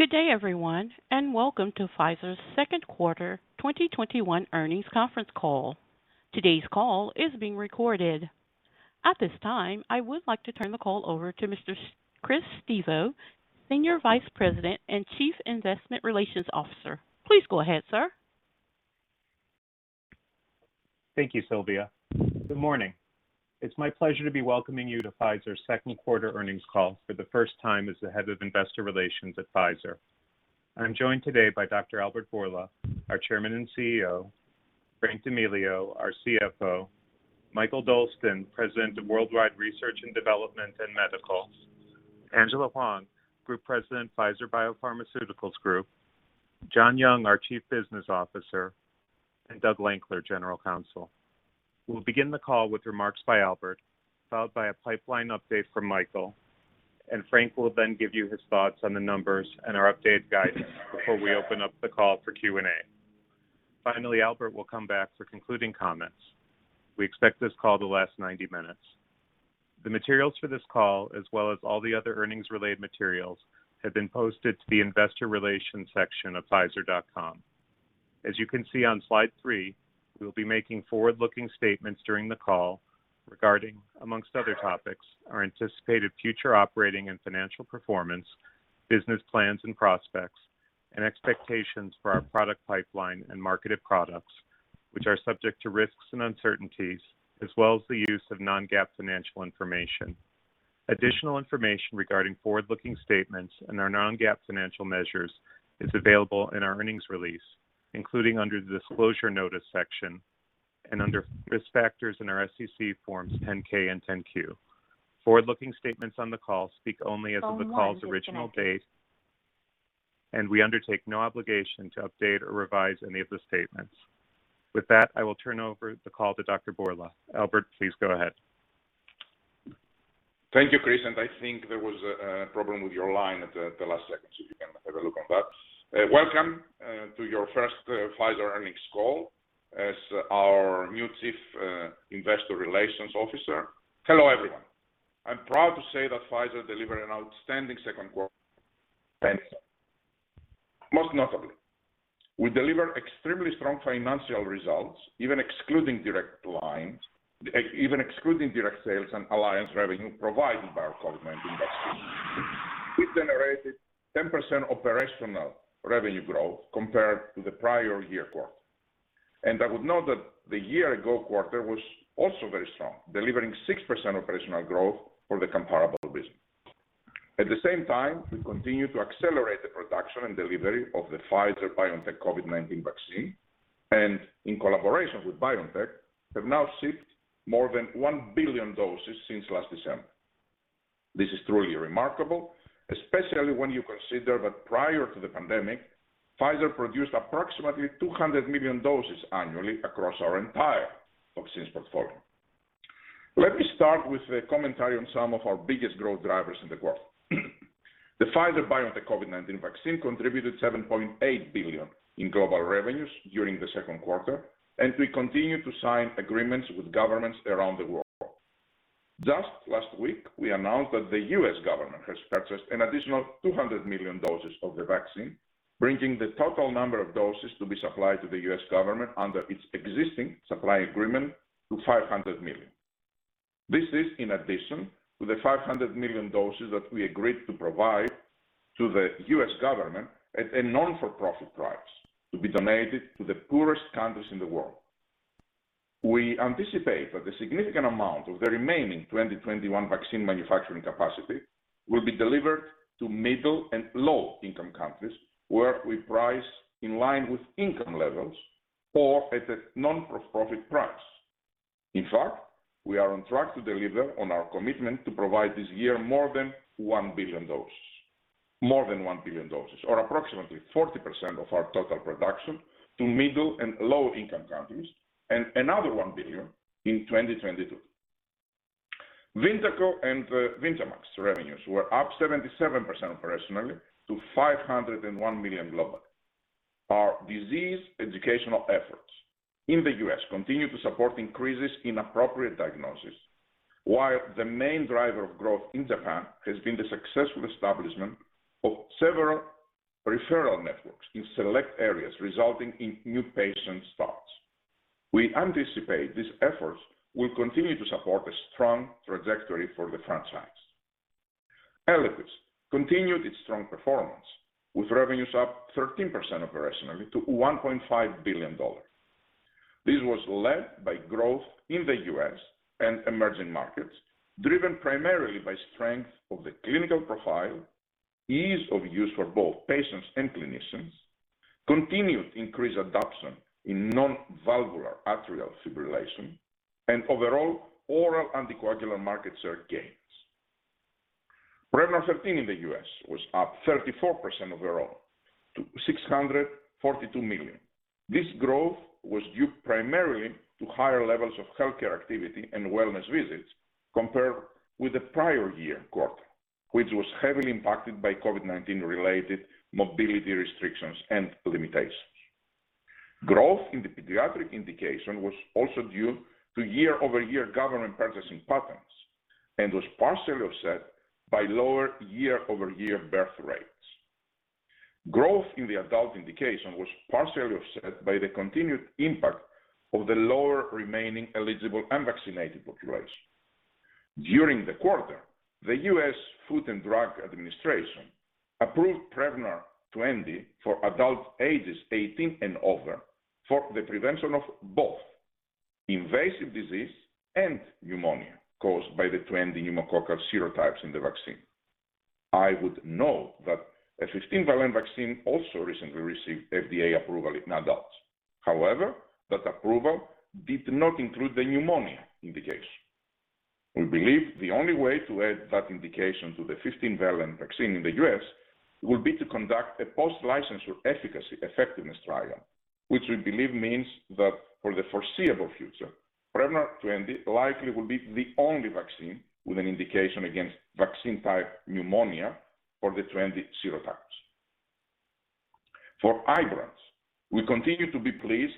Good day everyone, welcome to Pfizer's Second Quarter 2021 Earnings conference call. Today's call is being recorded. At this time, I would like to turn the call over to Mr. Chris Stevo, Senior Vice President and Chief Investor Relations Officer. Please go ahead, sir. Thank you, Sylvia. Good morning. It's my pleasure to be welcoming you to Pfizer's second quarter earnings call for the first time as the Head of Investor Relations at Pfizer. I'm joined today by Dr. Albert Bourla, our Chairman and CEO, Frank D'Amelio, our CFO, Mikael Dolsten, President of Worldwide Research and Development and Medical, Angela Hwang, Group President, Pfizer Biopharmaceuticals Group, John Young, our Chief Business Officer, and Douglas Lankler, General Counsel. We'll begin the call with remarks by Albert, followed by a pipeline update from Mikael, Frank will then give you his thoughts on the numbers and our updated guidance before we open up the call for Q&A. Finally, Albert will come back for concluding comments. We expect this call to last 90 minutes. The materials for this call, as well as all the other earnings-related materials, have been posted to the investor relations section of pfizer.com. As you can see on slide three, we will be making forward-looking statements during the call regarding, amongst other topics, our anticipated future operating and financial performance, business plans and prospects, and expectations for our product pipeline and marketed products, which are subject to risks and uncertainties, as well as the use of non-GAAP financial information. Additional information regarding forward-looking statements and our non-GAAP financial measures is available in our earnings release, including under the disclosure notice section and under risk factors in our SEC forms 10-K and 10-Q. Forward-looking statements on the call speak only as of the call's original date, and we undertake no obligation to update or revise any of the statements. With that, I will turn over the call to Dr. Bourla. Albert, please go ahead. Thank you, Chris. I think there was a problem with your line at the last second, so if you can have a look on that. Welcome to your first Pfizer earnings call as our new Chief Investor Relations Officer. Hello, everyone. I'm proud to say that Pfizer delivered an outstanding second quarter. Most notably, we delivered extremely strong financial results, even excluding direct sales and alliance revenue provided by our COVID-19 vaccine. We generated 10% operational revenue growth compared to the prior year quarter. I would note that the year-ago quarter was also very strong, delivering 6% operational growth for the comparable business. At the same time, we continue to accelerate the production and delivery of the Pfizer-BioNTech COVID-19 vaccine, and in collaboration with BioNTech, have now shipped more than 1 billion doses since last December. This is truly remarkable, especially when you consider that prior to the pandemic, Pfizer produced approximately 200 million doses annually across our entire vaccines portfolio. Let me start with a commentary on some of our biggest growth drivers in the quarter. The Pfizer-BioNTech COVID-19 vaccine contributed $7.8 billion in global revenues during the second quarter, and we continue to sign agreements with governments around the world. Just last week, we announced that the U.S. government has purchased an additional 200 million doses of the vaccine, bringing the total number of doses to be supplied to the U.S. government under its existing supply agreement to 500 million. This is in addition to the 500 million doses that we agreed to provide to the U.S. government at a not-for-profit price to be donated to the poorest countries in the world. We anticipate that the significant amount of the remaining 2021 vaccine manufacturing capacity will be delivered to middle and low-income countries, where we price in line with income levels or at a not-for-profit price. In fact, we are on track to deliver on our commitment to provide this year more than 1 billion doses, or approximately 40% of our total production to middle and low-income countries, and another 1 billion in 2022. VYNDAQEL and VYNDAMAX revenues were up 77% operationally to $501 million globally. Our disease educational efforts in the U.S. continue to support increases in appropriate diagnosis, while the main driver of growth in Japan has been the successful establishment of several referral networks in select areas, resulting in new patient starts. We anticipate these efforts will continue to support a strong trajectory for the franchise. Eliquis continued its strong performance, with revenues up 13% operationally to $1.5 billion. This was led by growth in the U.S. and emerging markets, driven primarily by strength of the clinical profile, ease of use for both patients and clinicians, continued increased adoption in non-valvular atrial fibrillation, and overall oral anticoagulant market share gains. Prevnar 13 in the U.S. was up 34% overall to $642 million. This growth was due primarily to higher levels of healthcare activity and wellness visits compared with the prior year quarter, which was heavily impacted by COVID-19-related mobility restrictions and limitations. Growth in the pediatric indication was also due to year-over-year government purchasing patterns and was partially offset by lower year-over-year birth rates. Growth in the adult indication was partially offset by the continued impact of the lower remaining eligible unvaccinated population. During the quarter, the U.S. Food and Drug Administration approved Prevnar 20 for adult ages 18 and over for the prevention of both invasive disease and pneumonia caused by the 20 pneumococcal serotypes in the vaccine. I would note that a 15-valent vaccine also recently received FDA approval in adults. However, that approval did not include the pneumonia indication. We believe the only way to add that indication to the 15-valent vaccine in the U.S. would be to conduct a post-licensure efficacy/effectiveness trial, which we believe means that for the foreseeable future, Prevnar 20 likely will be the only vaccine with an indication against vaccine-type pneumonia for the 20 serotypes. For IBRANCE, we continue to be pleased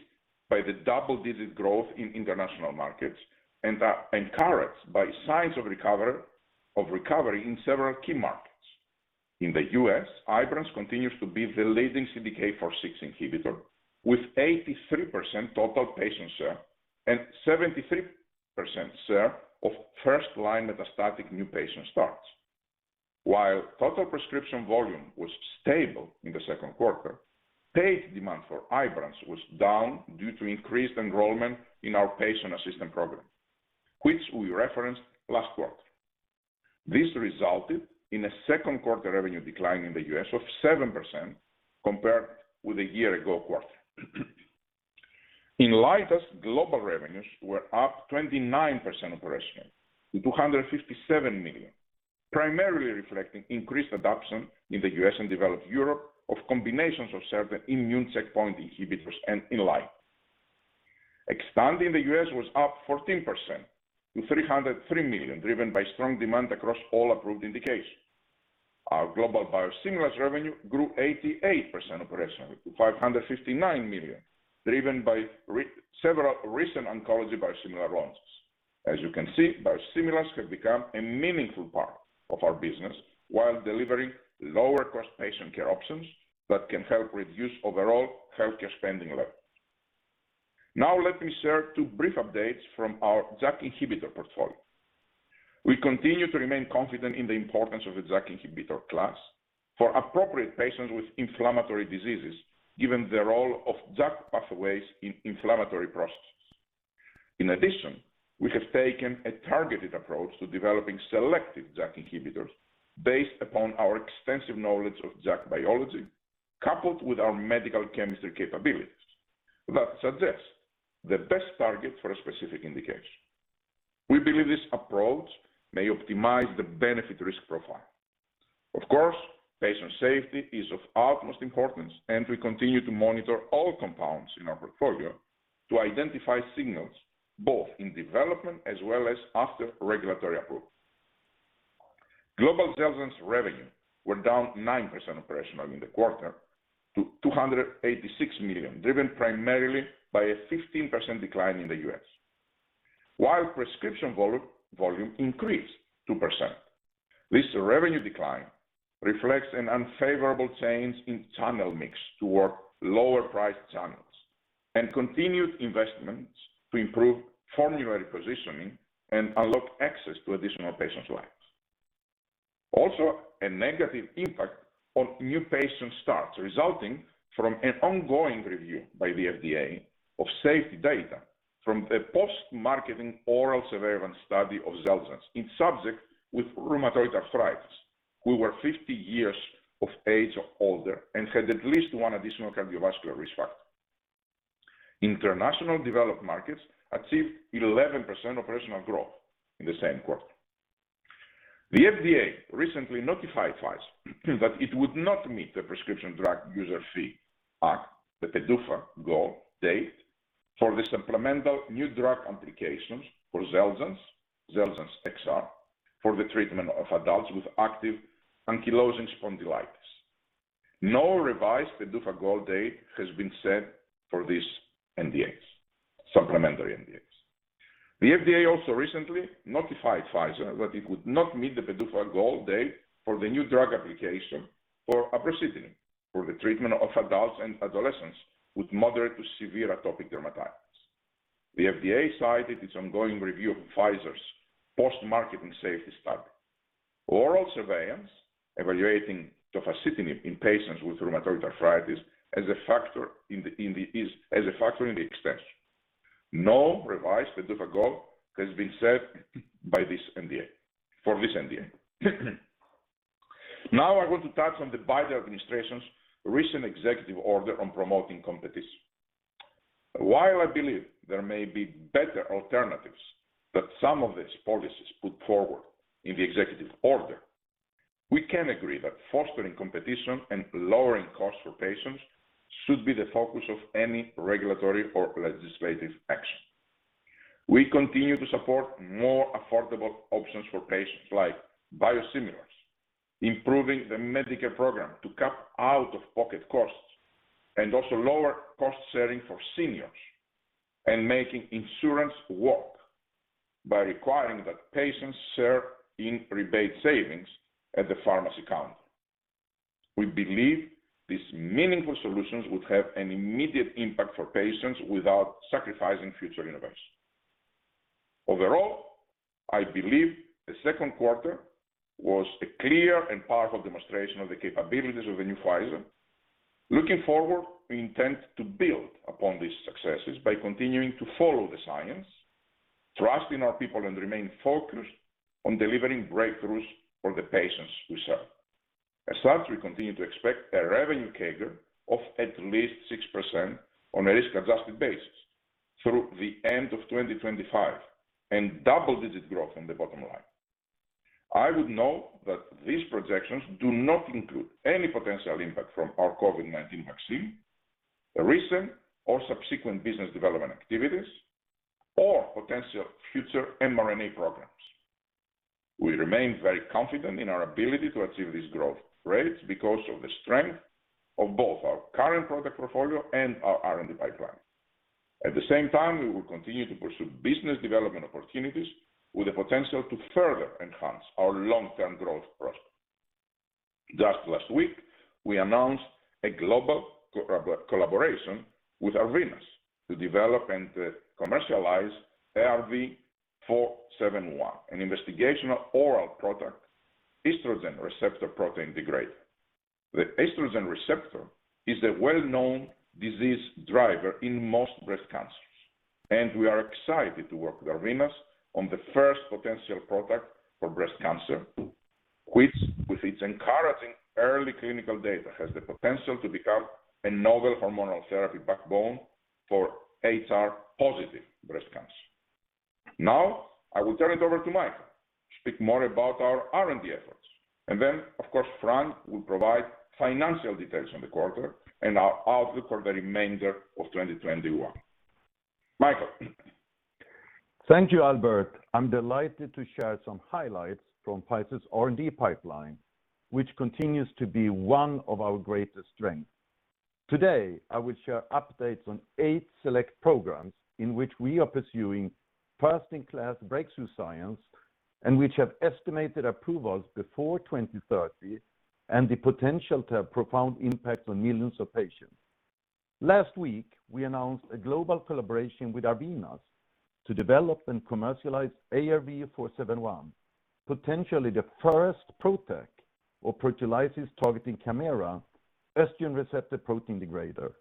by the double-digit growth in international markets and are encouraged by signs of recovery in several key markets. In the U.S., IBRANCE continues to be the leading CDK4/6 inhibitor, with 83% total patient share and 73% share of first-line metastatic new patient starts. While total prescription volume was stable in the second quarter, paid demand for IBRANCE was down due to increased enrollment in our patient assistance program, which we referenced last quarter. This resulted in a second quarter revenue decline in the U.S. of 7% compared with a year-ago quarter. Eliquis's global revenues were up 29% operationally to $257 million, primarily reflecting increased adoption in the U.S. and developed Europe of combinations of several immune checkpoint inhibitors and Eliquis. Xtandi in the U.S. was up 14% to $303 million, driven by strong demand across all approved indications. Our global biosimilars revenue grew 88% operationally to $559 million, driven by several recent oncology biosimilar launches. As you can see, biosimilars have become a meaningful part of our business while delivering lower-cost patient care options that can help reduce overall healthcare spending levels. Now let me share two brief updates from our JAK inhibitor portfolio. We continue to remain confident in the importance of the JAK inhibitor class for appropriate patients with inflammatory diseases, given the role of JAK pathways in inflammatory processes. In addition, we have taken a targeted approach to developing selective JAK inhibitors based upon our extensive knowledge of JAK biology, coupled with our medicinal chemistry capabilities that suggest the best target for a specific indication. We believe this approach may optimize the benefit-risk profile. Of course, patient safety is of utmost importance, and we continue to monitor all compounds in our portfolio to identify signals both in development as well as after regulatory approval. Global XELJANZ revenue were down 9% operationally in the quarter to $286 million, driven primarily by a 15% decline in the U.S. While prescription volume increased 2%, this revenue decline reflects an unfavorable change in channel mix toward lower-priced channels and continued investments to improve formulary positioning and unlock access to additional patient lives. A negative impact on new patient starts resulting from an ongoing review by the FDA of safety data from a post-marketing ORAL Surveillance study of XELJANZ in subjects with rheumatoid arthritis who were 50 years of age or older and had at least one additional cardiovascular risk factor. International developed markets achieved 11% operational growth in the same quarter. The FDA recently notified Pfizer that it would not meet the Prescription Drug User Fee Act, the PDUFA goal date for the supplemental new drug applications for XELJANZ XR, for the treatment of adults with active ankylosing spondylitis. No revised PDUFA goal date has been set for these NDAs, supplementary NDAs. The FDA also recently notified Pfizer that it would not meet the PDUFA goal date for the new drug application for apremilast for the treatment of adults and adolescents with moderate to severe atopic dermatitis. The FDA cited its ongoing review of Pfizer's post-marketing safety study, ORAL Surveillance evaluating tofacitinib in patients with rheumatoid arthritis as a factor in the extension. No revised PDUFA goal has been set by this NDA, for this NDA. Now I want to touch on the Biden administration's recent executive order on promoting competition. While I believe there may be better alternatives that some of these policies put forward in the executive order, we can agree that fostering competition and lowering costs for patients should be the focus of any regulatory or legislative action. We continue to support more affordable options for patients like biosimilars, improving the Medicare program to cap out-of-pocket costs, and also lower cost-sharing for seniors, and making insurance work by requiring that patients share in rebate savings at the pharmacy counter. We believe these meaningful solutions would have an immediate impact for patients without sacrificing future innovation. Overall, I believe the second quarter was a clear and powerful demonstration of the capabilities of the new Pfizer. Looking forward, we intend to build upon these successes by continuing to follow the science, trusting our people, and remain focused on delivering breakthroughs for the patients we serve. As such, we continue to expect a revenue CAGR of at least 6% on a risk-adjusted basis through the end of 2025, and double-digit growth on the bottom line. I would note that these projections do not include any potential impact from our COVID-19 vaccine, recent or subsequent business development activities, or potential future mRNA programs. We remain very confident in our ability to achieve these growth rates because of the strength of both our current product portfolio and our R&D pipeline. At the same time, we will continue to pursue business development opportunities with the potential to further enhance our long-term growth prospects. Just last week, we announced a global collaboration with Arvinas to develop and commercialize ARV-471, an investigational oral PROTAC estrogen receptor protein degrader. The estrogen receptor is a well-known disease driver in most breast cancers, and we are excited to work with Arvinas on the first potential product for breast cancer, which with its encouraging early clinical data, has the potential to become a novel hormonal therapy backbone for HR-positive breast cancer. I will turn it over to Mikael to speak more about our R&D efforts, and then, of course, Frank will provide financial details on the quarter and our outlook for the remainder of 2021. Mikael? Thank you, Albert. I'm delighted to share some highlights from Pfizer's R&D pipeline, which continues to be one of our greatest strengths. Today, I will share updates on eight select programs in which we are pursuing first-in-class breakthrough science and which have estimated approvals before 2030 and the potential to have profound impacts on millions of patients. Last week, we announced a global collaboration with Arvinas to develop and commercialize ARV-471, potentially the first PROTAC, or proteolysis targeting chimera, estrogen receptor protein degrader.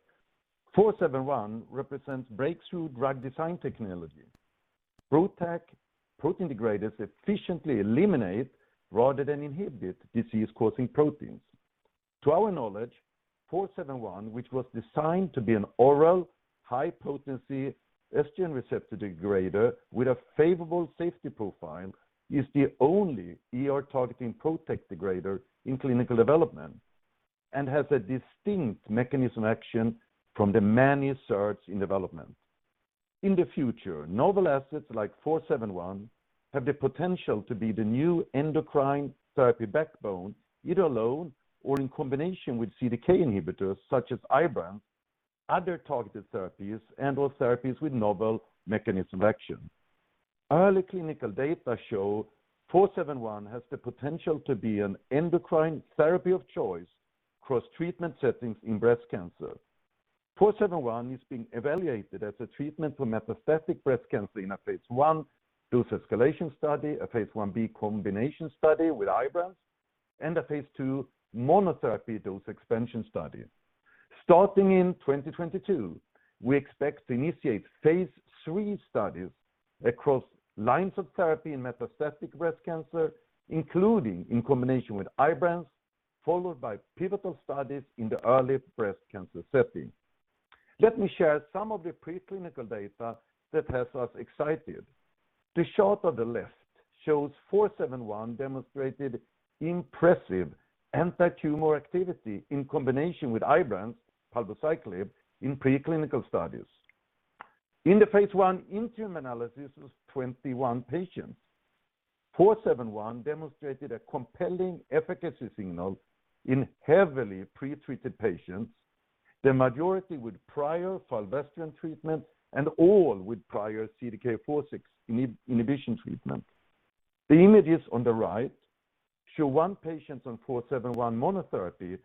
471 represents breakthrough drug design technology. PROTAC protein degraders efficiently eliminate rather than inhibit disease-causing proteins. To our knowledge, 471, which was designed to be an oral high-potency estrogen receptor degrader with a favorable safety profile, is the only ER-targeting PROTAC degrader in clinical development and has a distinct mechanism action from the many SERDs in development. In the future, novel assets like 471 have the potential to be the new endocrine therapy backbone, either alone or in combination with CDK inhibitors such as IBRANCE, other targeted therapies, and/or therapies with novel mechanism of action. Early clinical data show 471 has the potential to be an endocrine therapy of choice across treatment settings in breast cancer. 471 is being evaluated as a treatment for metastatic breast cancer in a phase I dose-escalation study, a phase I-B combination study with IBRANCE, and a phase II monotherapy dose-expansion study. Starting in 2022, we expect to initiate phase III studies across lines of therapy in metastatic breast cancer, including in combination with IBRANCE, followed by pivotal studies in the early breast cancer setting. Let me share some of the preclinical data that has us excited. The shot of the list shows ARV-471 demonstrated impressive anti-tumor activity in combination with IBRANCE, palbociclib, in preclinical studies. In the phase I interim analysis of 21 patients, ARV-471 demonstrated a compelling efficacy signal in heavily pretreated patients, the majority with prior palbociclib treatment and all with prior CDK4/6 inhibition treatment. The images on the right show one patient on ARV-471 monotherapy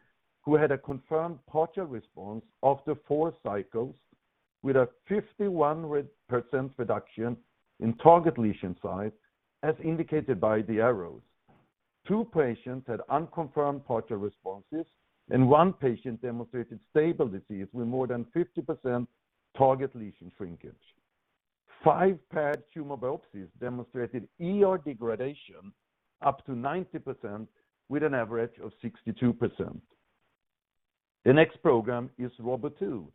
who had a confirmed partial response after four cycles with a 51% reduction in target lesion size, as indicated by the arrows. Two patients had unconfirmed partial responses, and one patient demonstrated stable disease with more than 50% target lesion shrinkage. Five paired tumor biopsies demonstrated ER degradation up to 90%, with an average of 62%. The next program is ROBO2,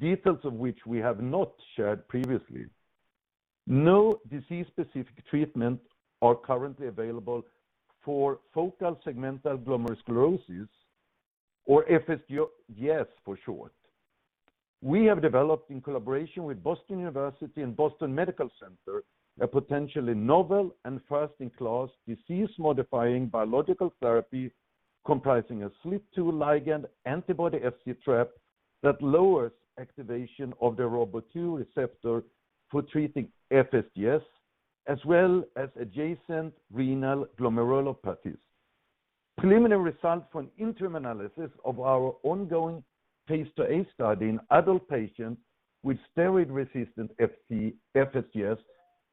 details of which we have not shared previously. No disease-specific treatments are currently available for focal segmental glomerulosclerosis or FSGS for short. We have developed in collaboration with Boston University and Boston Medical Center, a potentially novel and first-in-class disease-modifying biological therapy comprising a SLIT2 ligand antibody Fc trap that lowers activation of the ROBO2 receptor for treating FSGS, as well as adjacent renal glomerulopathies. Preliminary results from an interim analysis of our ongoing phase IIa study in adult patients with steroid-resistant FSGS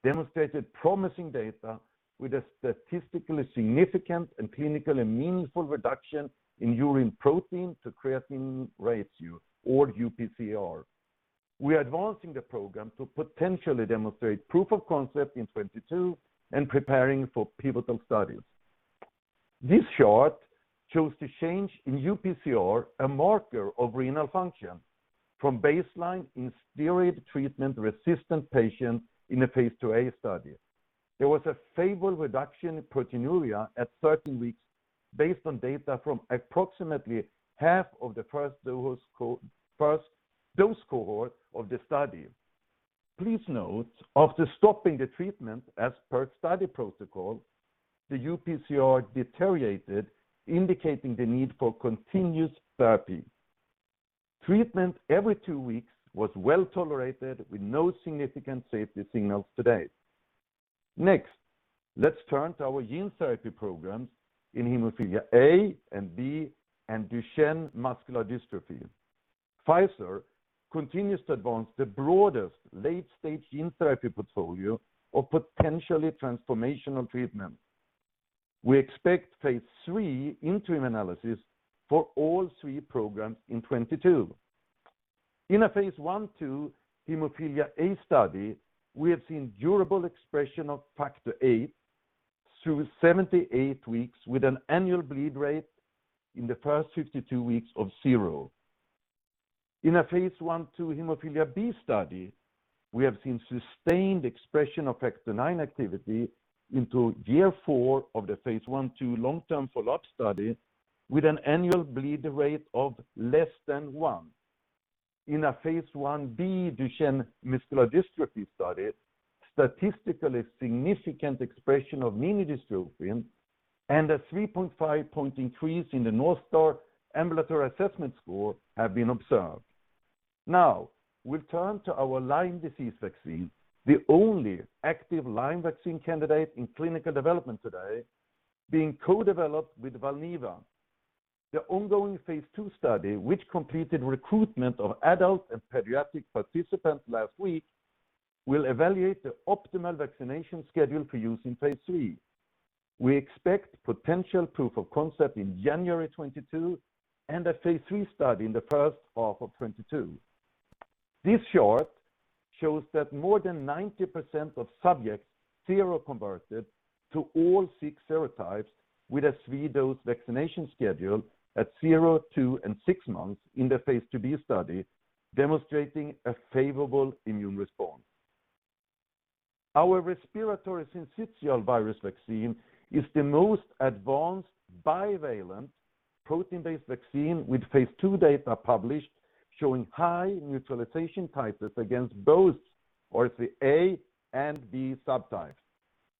demonstrated promising data with a statistically significant and clinically meaningful reduction in urine protein to creatinine ratio or UPCR. We are advancing the program to potentially demonstrate proof of concept in 2022 and preparing for pivotal studies. This chart shows the change in UPCR, a marker of renal function, from baseline in steroid treatment-resistant patients in a phase IIa study. There was a favorable reduction in proteinuria at 13 weeks based on data from approximately half of the first dose cohort of the study. Please note, after stopping the treatment as per study protocol, the UPCR deteriorated, indicating the need for continuous therapy. Treatment every two weeks was well-tolerated with no significant safety signals to date. Next, let's turn to our gene therapy programs in hemophilia A and B and Duchenne muscular dystrophy. Pfizer continues to advance the broadest late-stage gene therapy portfolio of potentially transformational treatments. We expect phase III interim analysis for all three programs in 2022. In a phase I/II hemophilia A study, we have seen durable expression of factor VIII through 78 weeks with an annual bleed rate in the first 52 weeks of 0. In a phase I/II hemophilia B study, we have seen sustained expression of factor IX activity into year 4 of the phase I/II long-term follow-up study with an annual bleed rate of less than one. In a phase I-B Duchenne muscular dystrophy study, statistically significant expression of minidystrophin and a 3.5-point increase in the North Star Ambulatory Assessment Score have been observed. Now, we turn to our Lyme disease vaccine, the only active Lyme vaccine candidate in clinical development today being co-developed with Valneva. The ongoing phase II study which completed recruitment of adult and pediatric participants last week will evaluate the optimal vaccination schedule for use in phase III. We expect potential proof of concept in January 2022 and a phase III study in the first half of 2022. This chart shows that more than 90% of subjects seroconverted to all six serotypes with a 3-dose vaccination schedule at zero, two, and six months in the phase II-B study, demonstrating a favorable immune response. Our respiratory syncytial virus vaccine is the most advanced bivalent protein-based vaccine with phase II data published showing high neutralization titers against both RSV A and B subtypes,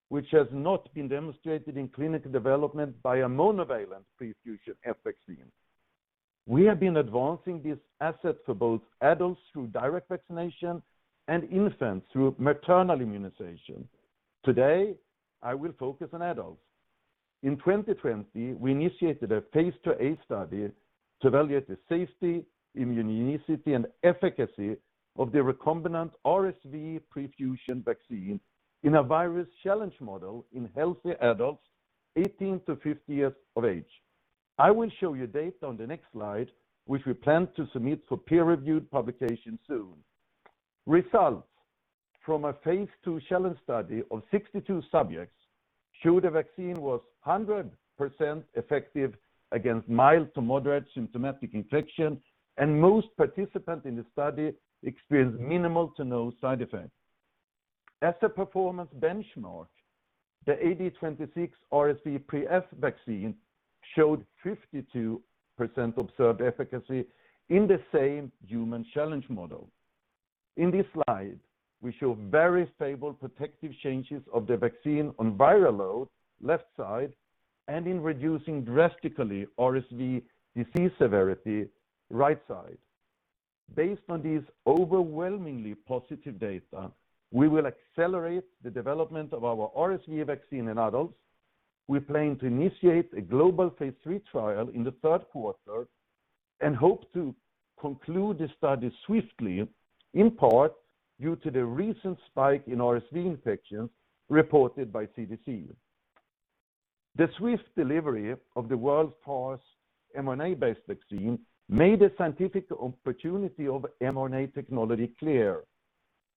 which has not been demonstrated in clinical development by a monovalent pre-fusion F vaccine. We have been advancing this asset for both adults through direct vaccination and infants through maternal immunization. Today, I will focus on adults. In 2020, we initiated a phase IIa study to evaluate the safety, immunogenicity, and efficacy of the recombinant RSV pre-fusion vaccine in a virus challenge model in healthy adults 18 to 50 years of age. I will show you data on the next slide, which we plan to submit for peer-reviewed publication soon. Results from a phase II challenge study of 62 subjects showed the vaccine was 100% effective against mild to moderate symptomatic infection and most participants in the study experienced minimal to no side effects. As a performance benchmark, the Ad26.RSV.preF vaccine showed 52% observed efficacy in the same human challenge model. In this slide, we show very stable protective changes of the vaccine on viral load, left side, and in reducing drastically RSV disease severity, right side. Based on these overwhelmingly positive data, we will accelerate the development of our RSV vaccine in adults. We plan to initiate a global phase III trial in the third quarter and hope to conclude the study swiftly, in part due to the recent spike in RSV infections reported by CDC. The swift delivery of the world's first mRNA-based vaccine made the scientific opportunity of mRNA technology clear.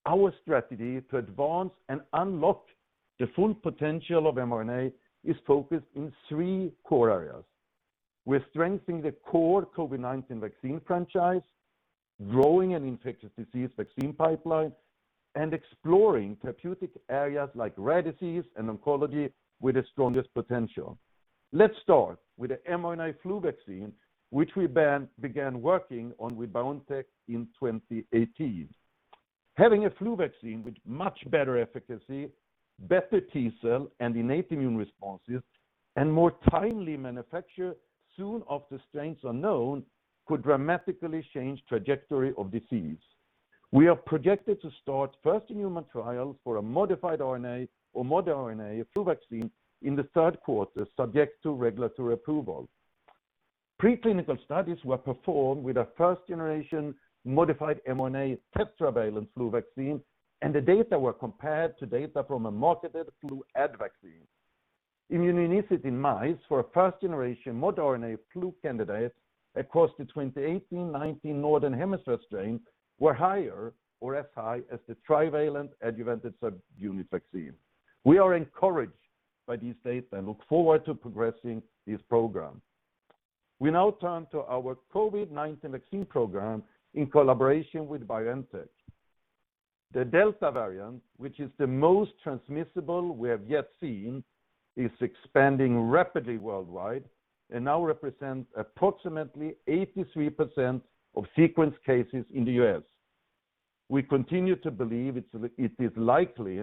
Our strategy to advance and unlock the full potential of mRNA is focused in three core areas. We're strengthening the core COVID-19 vaccine franchise, growing an infectious disease vaccine pipeline and exploring therapeutic areas like rare disease and oncology with the strongest potential. Let's start with the mRNA flu vaccine, which we began working on with BioNTech in 2018. Having a flu vaccine with much better efficacy, better T-cell and innate immune responses, and more timely manufacture soon after strains are known, could dramatically change trajectory of disease. We are projected to start first human trials for a modified RNA or modRNA flu vaccine in the third quarter, subject to regulatory approval. Pre-clinical studies were performed with a first generation modified mRNA tetravalent flu vaccine, and the data were compared to data from a marketed Fluad vaccine. Immunogenicity in mice for a first generation modRNA flu candidate across the 2018-2019 Northern Hemisphere strain were higher or as high as the trivalent adjuvanted subunit vaccine. We are encouraged by these data and look forward to progressing this program. We now turn to our COVID-19 vaccine program in collaboration with BioNTech. The Delta variant, which is the most transmissible we have yet seen, is expanding rapidly worldwide and now represents approximately 83% of sequenced cases in the U.S. We continue to believe it is likely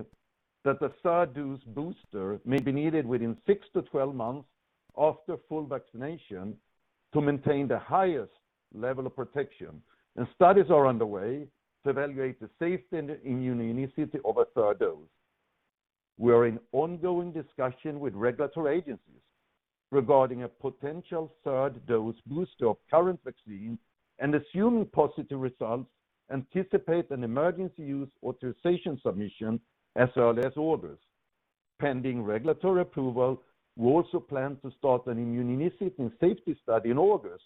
that a third dose booster may be needed within 6 months-12 months after full vaccination to maintain the highest level of protection, and studies are underway to evaluate the safety and immunogenicity of a third dose. We are in ongoing discussion with regulatory agencies regarding a potential third dose booster of current vaccine, and assuming positive results, anticipate an emergency use authorization submission as early as August. Pending regulatory approval, we also plan to start an immunogenicity and safety study in August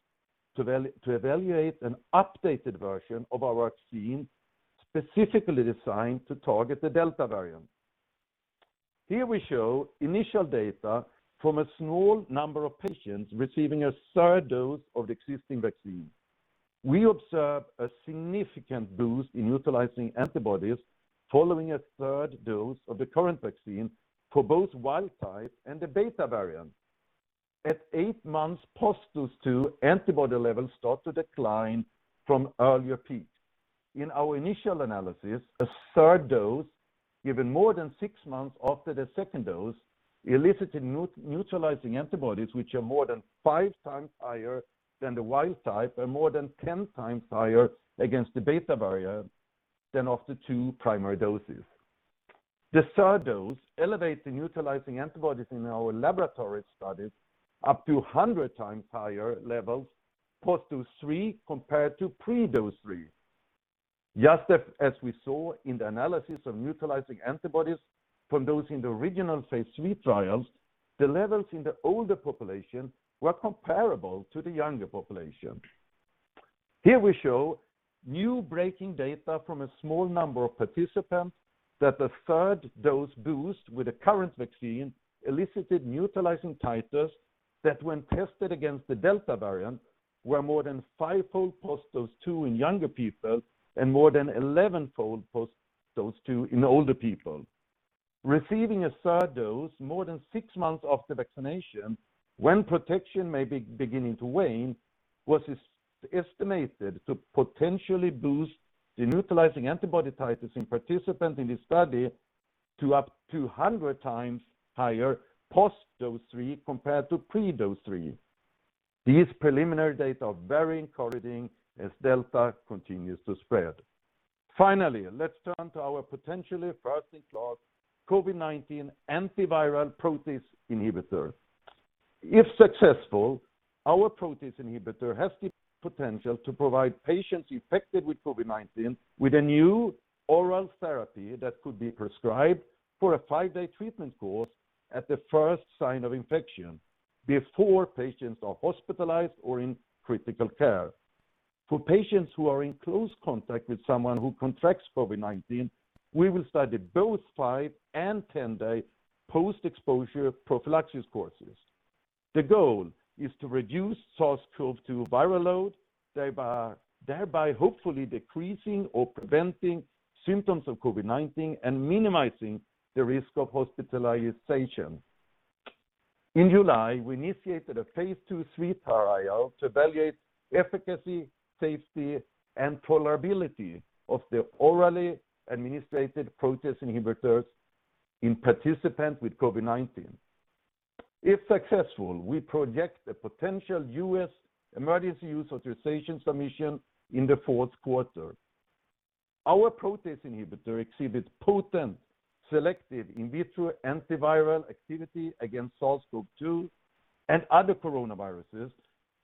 to evaluate an updated version of our vaccine specifically designed to target the Delta variant. Here we show initial data from a small number of patients receiving a third dose of the existing vaccine. We observed a significant boost in neutralizing antibodies following a third dose of the current vaccine for both wild type and the Beta variant. At eight months post-dose two, antibody levels start to decline from earlier peak. In our initial analysis, a third dose given more than six months after the second dose elicited neutralizing antibodies, which are more than 5x higher than the wild type and more than 10x higher against the Beta variant than after two primary doses. The third dose elevates the neutralizing antibodies in our laboratory studies up to 100x higher levels post-dose three compared to pre-dose three. Just as we saw in the analysis of neutralizing antibodies from those in the original phase III trials, the levels in the older population were comparable to the younger population. Here we show new breaking data from a small number of participants that the third dose boost with the current vaccine elicited neutralizing titers that when tested against the Delta variant, were more than 5-fold post-dose two in younger people and more than 11-fold post-dose two in older people. Receiving a third dose more than six months after vaccination, when protection may be beginning to wane, was estimated to potentially boost the neutralizing antibody titers in participants in this study to up to 100x higher post-dose three compared to pre-dose three. These preliminary data are very encouraging as Delta continues to spread. Finally, let's turn to our potentially best-in-class COVID-19 antiviral protease inhibitor. If successful, our protease inhibitor has the potential to provide patients affected with COVID-19 with a new oral therapy that could be prescribed for a five-day treatment course at the first sign of infection, before patients are hospitalized or in critical care. For patients who are in close contact with someone who contracts COVID-19, we will study both five and 10-day post-exposure prophylaxis courses. The goal is to reduce SARS-CoV-2 viral load, thereby hopefully decreasing or preventing symptoms of COVID-19 and minimizing the risk of hospitalization. In July, we initiated a phase II/III trial to evaluate efficacy, safety, and tolerability of the orally administrated protease inhibitors in participants with COVID-19. If successful, we project a potential U.S. emergency use authorization submission in the fourth quarter. Our protease inhibitor exhibits potent selective in vitro antiviral activity against SARS-CoV-2 and other coronaviruses,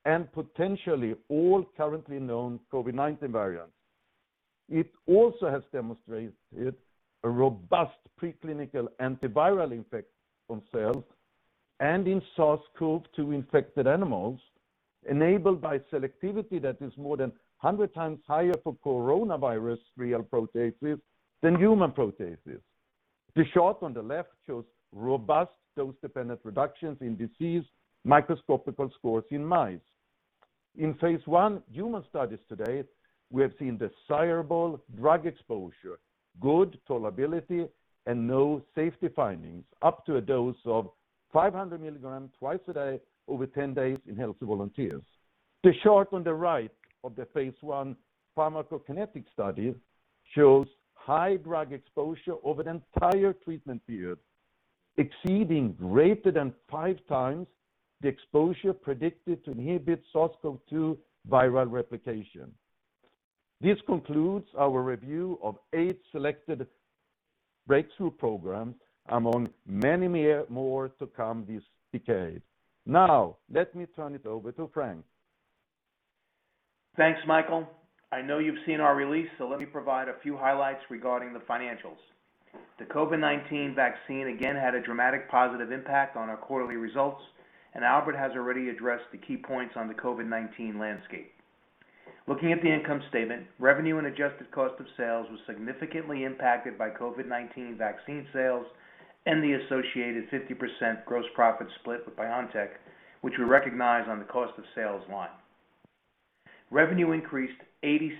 and potentially all currently known COVID-19 variants. It also has demonstrated a robust preclinical antiviral effect on cells and in SARS-CoV-2 infected animals, enabled by selectivity that is more than 100x higher for coronavirus real proteases than human proteases. The shot on the left shows robust dose-dependent reductions in disease microscopical scores in mice. In phase I human studies today, we have seen desirable drug exposure, good tolerability, and no safety findings up to a dose of 500 milligrams twice a day over 10 days in healthy volunteers. The shot on the right of the phase I pharmacokinetic study shows high drug exposure over the entire treatment period, exceeding greater than 5x the exposure predicted to inhibit SARS-CoV-2 viral replication. This concludes our review of eight selected breakthrough programs among many more to come this decade. Let me turn it over to Frank. Thanks, Mikael. I know you've seen our release, so let me provide a few highlights regarding the financials. The COVID-19 vaccine again had a dramatic positive impact on our quarterly results, and Albert has already addressed the key points on the COVID-19 landscape. Looking at the income statement, revenue and adjusted cost of sales was significantly impacted by COVID-19 vaccine sales and the associated 50% gross profit split with BioNTech, which we recognize on the cost of sales line. Revenue increased 86%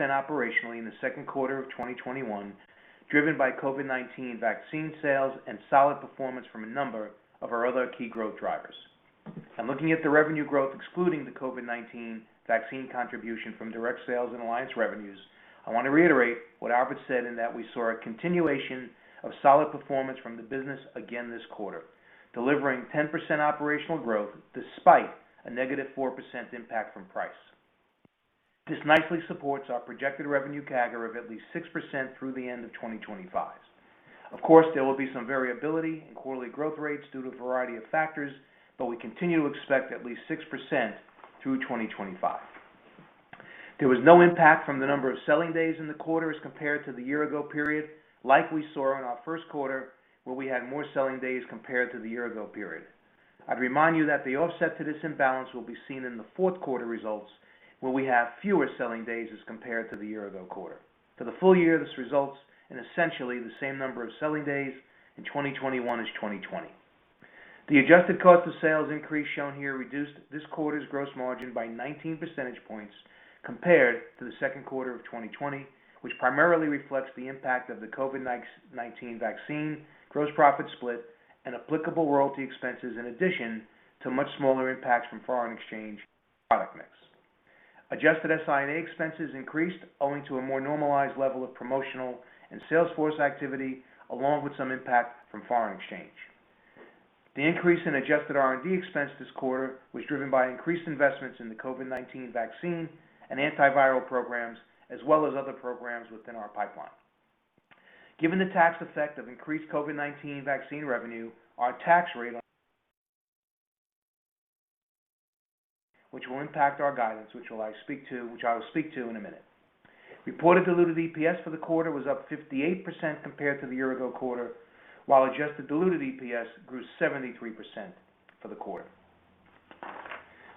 operationally in the second quarter of 2021, driven by COVID-19 vaccine sales and solid performance from a number of our other key growth drivers. Looking at the revenue growth excluding the COVID-19 vaccine contribution from direct sales and alliance revenues, I want to reiterate what Albert said in that we saw a continuation of solid performance from the business again this quarter, delivering 10% operational growth despite a negative 4% impact from price. This nicely supports our projected revenue CAGR of at least 6% through the end of 2025. Of course, there will be some variability in quarterly growth rates due to a variety of factors, but we continue to expect at least 6% through 2025. There was no impact from the number of selling days in the quarter as compared to the year-ago period, like we saw in our first quarter, where we had more selling days compared to the year-ago period. I'd remind you that the offset to this imbalance will be seen in the fourth quarter results, where we have fewer selling days as compared to the year-ago quarter. For the full year, this results in essentially the same number of selling days in 2021 as 2020. The adjusted cost of sales increase shown here reduced this quarter's gross margin by 19 percentage points compared to the second quarter of 2020, which primarily reflects the impact of the COVID-19 vaccine, gross profit split, and applicable royalty expenses, in addition to much smaller impacts from foreign exchange and product mix. Adjusted SI&A expenses increased owing to a more normalized level of promotional and sales force activity, along with some impact from foreign exchange. The increase in adjusted R&D expense this quarter was driven by increased investments in the COVID-19 vaccine and antiviral programs, as well as other programs within our pipeline. Given the tax effect of increased COVID-19 vaccine revenue, which will impact our guidance, which I will speak to in a minute. Reported diluted EPS for the quarter was up 58% compared to the year-ago quarter, while adjusted diluted EPS grew 73% for the quarter.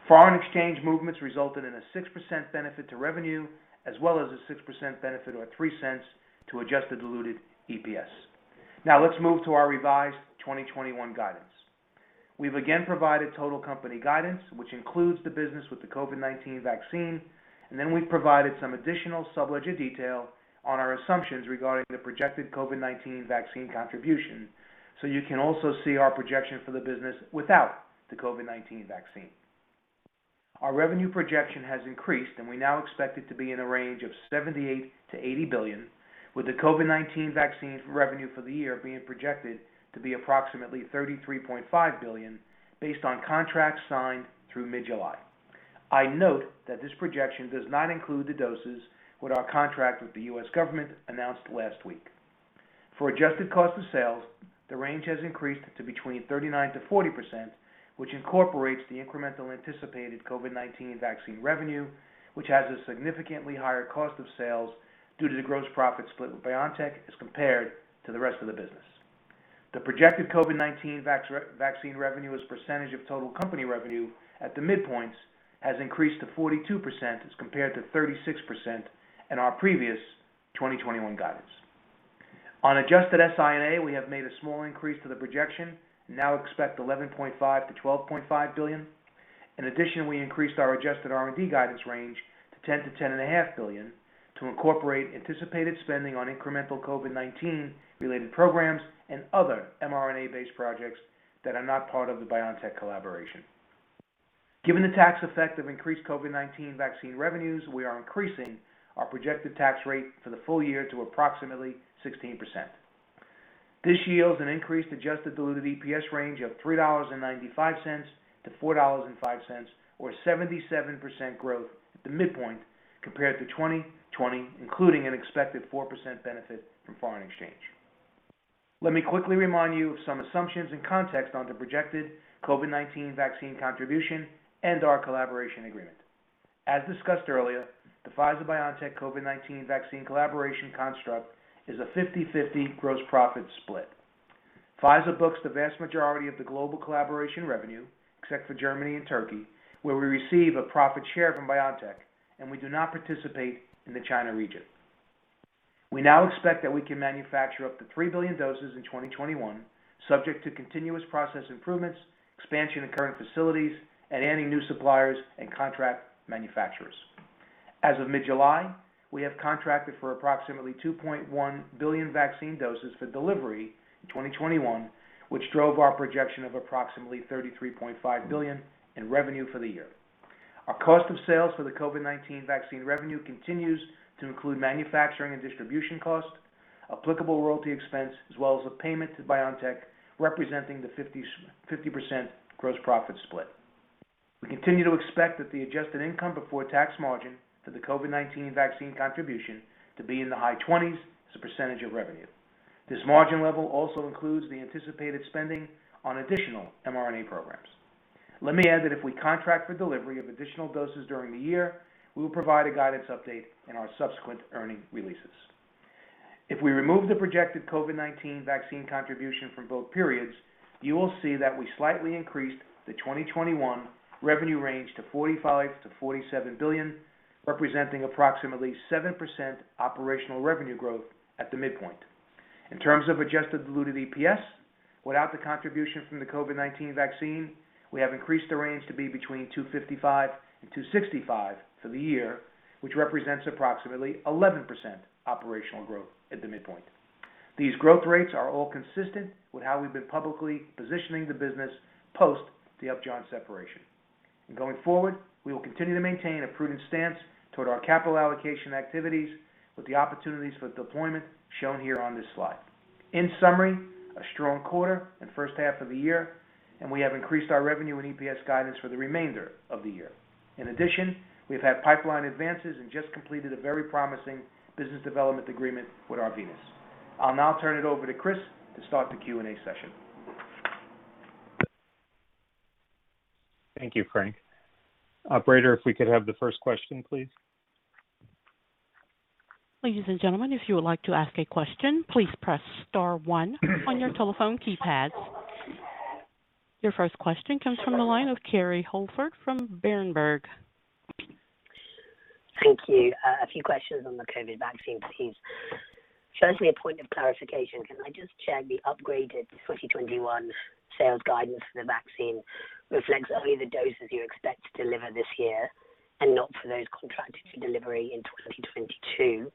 Foreign exchange movements resulted in a 6% benefit to revenue, as well as a 6% benefit or $0.03 to adjusted diluted EPS. Let's move to our revised 2021 guidance. We've again provided total company guidance, which includes the business with the COVID-19 vaccine, then we've provided some additional sub-ledger detail on our assumptions regarding the projected COVID-19 vaccine contribution, so you can also see our projection for the business without the COVID-19 vaccine. Our revenue projection has increased, we now expect it to be in a range of $78 billion-$80 billion, with the COVID-19 vaccine revenue for the year being projected to be approximately $33.5 billion, based on contracts signed through mid-July. I note that this projection does not include the doses with our contract with the U.S. government announced last week. For adjusted cost of sales, the range has increased to between 39%-40%, which incorporates the incremental anticipated COVID-19 vaccine revenue, which has a significantly higher cost of sales due to the gross profit split with BioNTech as compared to the rest of the business. The projected COVID-19 vaccine revenue as % of total company revenue at the midpoints has increased to 42% as compared to 36% in our previous 2021 guidance. On adjusted SI&A, we have made a small increase to the projection and now expect $11.5 billion-$12.5 billion. We increased our adjusted R&D guidance range to $10 billion-$10.5 billion to incorporate anticipated spending on incremental COVID-19 related programs and other mRNA-based projects that are not part of the BioNTech collaboration. Given the tax effect of increased COVID-19 vaccine revenues, we are increasing our projected tax rate for the full year to approximately 16%. This yields an increased adjusted diluted EPS range of $3.95-$4.05, or 77% growth at the midpoint compared to 2020, including an expected 4% benefit from foreign exchange. Let me quickly remind you of some assumptions and context on the projected COVID-19 vaccine contribution and our collaboration agreement. As discussed earlier, the Pfizer-BioNTech COVID-19 vaccine collaboration construct is a 50/50 gross profit split. Pfizer books the vast majority of the global collaboration revenue, except for Germany and Turkey, where we receive a profit share from BioNTech. We do not participate in the China region. We now expect that we can manufacture up to 3 billion doses in 2021, subject to continuous process improvements, expansion of current facilities, and any new suppliers and contract manufacturers. As of mid-July, we have contracted for approximately 2.1 billion vaccine doses for delivery in 2021, which drove our projection of approximately $33.5 billion in revenue for the year. Our cost of sales for the COVID-19 vaccine revenue continues to include manufacturing and distribution costs, applicable royalty expense, as well as a payment to BioNTech representing the 50% gross profit split. We continue to expect that the adjusted income before tax margin for the COVID-19 vaccine contribution to be in the high 20s as a % of revenue. This margin level also includes the anticipated spending on additional mRNA programs. Let me add that if we contract for delivery of additional doses during the year, we will provide a guidance update in our subsequent earning releases. If we remove the projected COVID-19 vaccine contribution from both periods, you will see that we slightly increased the 2021 revenue range to $45 billion-$47 billion, representing approximately 7% operational revenue growth at the midpoint. In terms of adjusted diluted EPS, without the contribution from the COVID-19 vaccine, we have increased the range to be between $2.55 and $2.65 for the year, which represents approximately 11% operational growth at the midpoint. These growth rates are all consistent with how we've been publicly positioning the business post the Upjohn separation. Going forward, we will continue to maintain a prudent stance toward our capital allocation activities with the opportunities for deployment shown here on this slide. In summary, a strong quarter and first half of the year, and we have increased our revenue and EPS guidance for the remainder of the year. In addition, we've had pipeline advances and just completed a very promising business development agreement with Arvinas. I'll now turn it over to Chris to start the Q&A session. Thank you, Frank. Operator, if we could have the first question, please. Ladies and gentlemen, if you would like to ask a question, please press star one on your telephone keypad. Your first question comes from the line of Kerry Holford from Berenberg. Thank you. A few questions on the COVID vaccine, please. Firstly, a point of clarification. Can I just check the upgraded 2021 sales guidance for the vaccine reflects only the doses you expect to deliver this year and not for those contracted for delivery in 2022?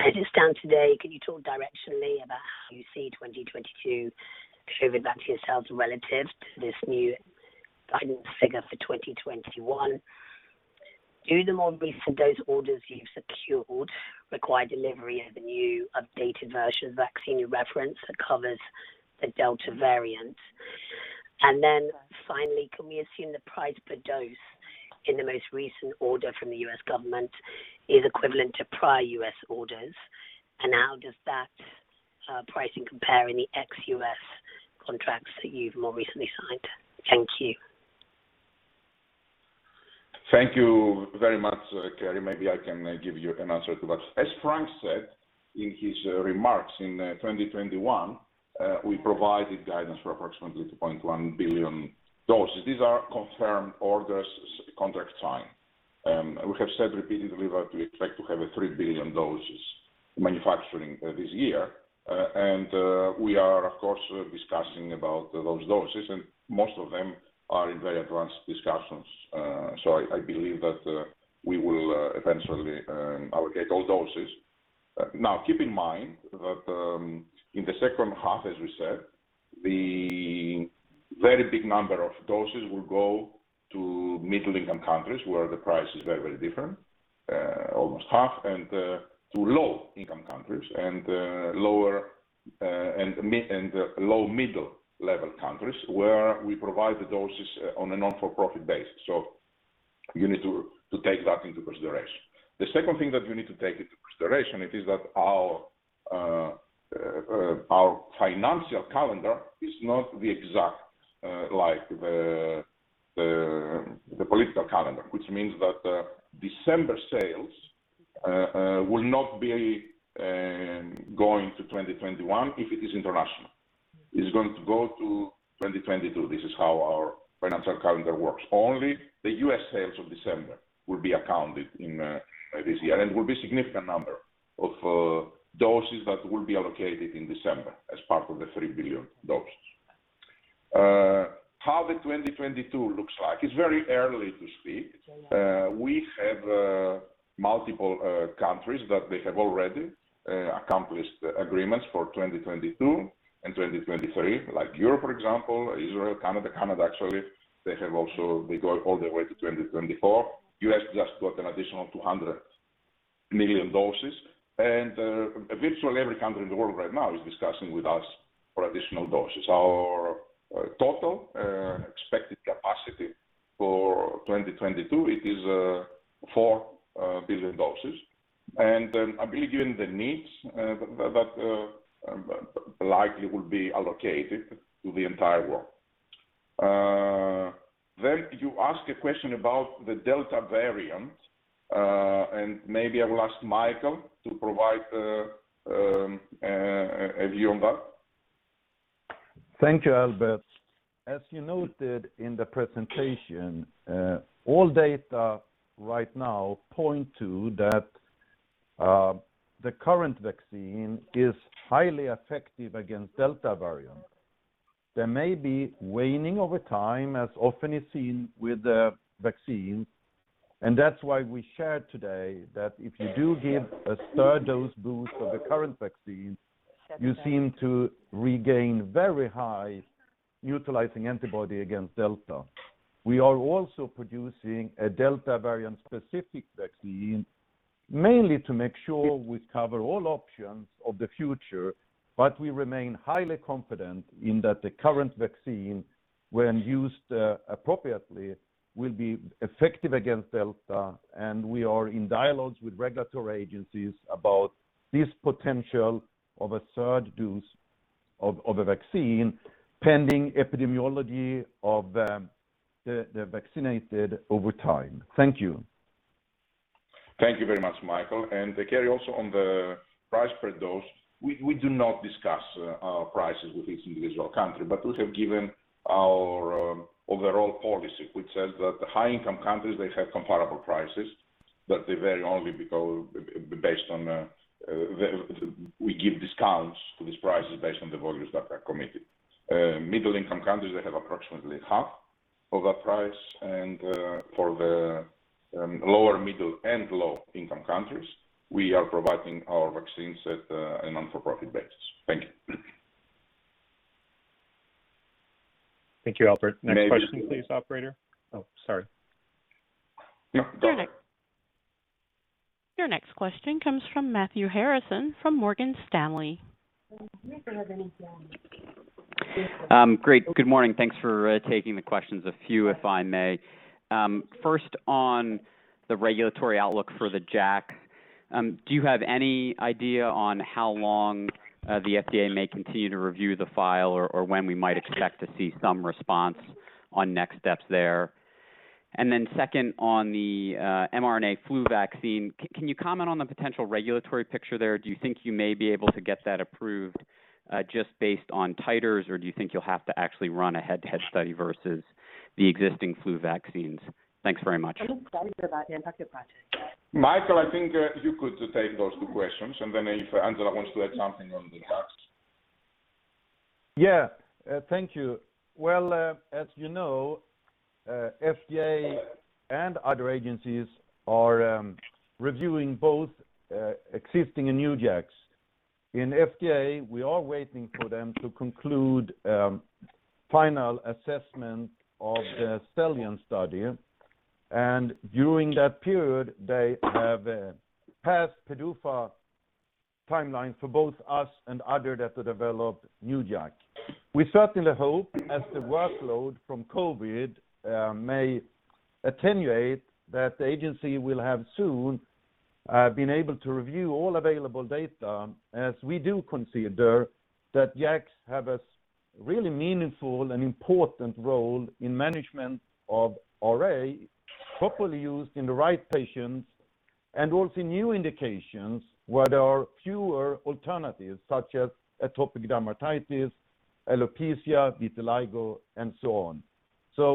As it stands today, could you talk directionally about how you see 2022 COVID vaccine sales relative to this new guidance figure for 2021? Do the more recent dose orders you've secured require delivery of the new updated version of the vaccine you reference that covers the Delta variant? Then finally, can we assume the price per dose in the most recent order from the U.S. government is equivalent to prior U.S. orders? How does that pricing compare in the ex-U.S. contracts that you've more recently signed? Thank you. Thank you very much, Kerry. Maybe I can give you an answer to that. As Frank said in his remarks, in 2021, we provided guidance for approximately 2.1 billion doses. These are confirmed orders, contract signed. We have said repeatedly that we expect to have 3 billion doses manufacturing this year. We are, of course, discussing about those doses, and most of them are in very advanced discussions. I believe that we will eventually allocate all doses. Now, keep in mind that in the second half, as we said, the very big number of doses will go to middle-income countries where the price is very different, almost half, and to low-income countries and low-middle-level countries where we provide the doses on a not-for-profit base. You need to take that into consideration. The second thing that you need to take into consideration it is that our financial calendar is not the exact like the political calendar, which means that December sales will not be going to 2021 if it is international. It is going to go to 2022. This is how our financial calendar works. Only the U.S. sales of December will be accounted in this year, and it will be significant number of doses that will be allocated in December as part of the 3 billion doses. How the 2022 looks like, it is very early to speak. We have multiple countries that they have already accomplished agreements for 2022 and 2023, like Europe, for example, Israel, Canada. Canada, actually, they have also gone all the way to 2024. U.S. just got an additional 200 million doses. Virtually every country in the world right now is discussing with us for additional doses. Our total expected capacity for 2022, it is 4 billion doses. I believe given the needs that likely will be allocated to the entire world. You ask a question about the Delta variant, and maybe I'll ask Mikael to provide a view on that. Thank you, Albert. As you noted in the presentation, all data right now point to that the current vaccine is highly effective against Delta variant. There may be waning over time, as often is seen with the vaccine, and that's why we shared today that if you do give a third dose boost of the current vaccine, you seem to regain very high utilizing antibody against Delta. We are also producing a Delta variant specific vaccine, mainly to make sure we cover all options of the future, but we remain highly confident in that the current vaccine, when used appropriately, will be effective against Delta, and we are in dialogues with regulatory agencies about this potential of a third dose of a vaccine, pending epidemiology of the vaccinated over time. Thank you. Thank you very much, Mikael. Kerry, also on the price per dose, we do not discuss our prices with each individual country, but we have given our overall policy, which says that the high-income countries, they have comparable prices, but we give discounts to these prices based on the volumes that are committed. Middle-income countries, they have approximately half of that price. For the lower middle and low-income countries, we are providing our vaccines at a non-for-profit basis. Thank you. Thank you, Albert. Next question, please, operator. Oh, sorry. Yeah, go on. Your next question comes from Matthew Harrison from Morgan Stanley. Great. Good morning. Thanks for taking the questions. A few, if I may. First on the regulatory outlook for the JAK. Do you have any idea on how long the FDA may continue to review the file or when we might expect to see some response on next steps there? Then second on the mRNA flu vaccine, can you comment on the potential regulatory picture there? Do you think you may be able to get that approved just based on titers, or do you think you'll have to actually run a head-to-head study versus the existing flu vaccines? Thanks very much. Mikael, I think you could take those two questions, and then if Angela wants to add something on the JAK. Yeah. Thank you. Well, as you know, FDA and other agencies are reviewing both existing and new JAKs. In FDA, we are waiting for them to conclude final assessment of the Surveillance study. During that period, they have passed PDUFA timeline for both us and others that have developed new JAK. We certainly hope as the workload from COVID may attenuate, that the agency will have soon been able to review all available data, as we do consider that JAKs have a really meaningful and important role in management of RA, properly used in the right patients, and also new indications where there are fewer alternatives, such as atopic dermatitis, alopecia, vitiligo, and so on.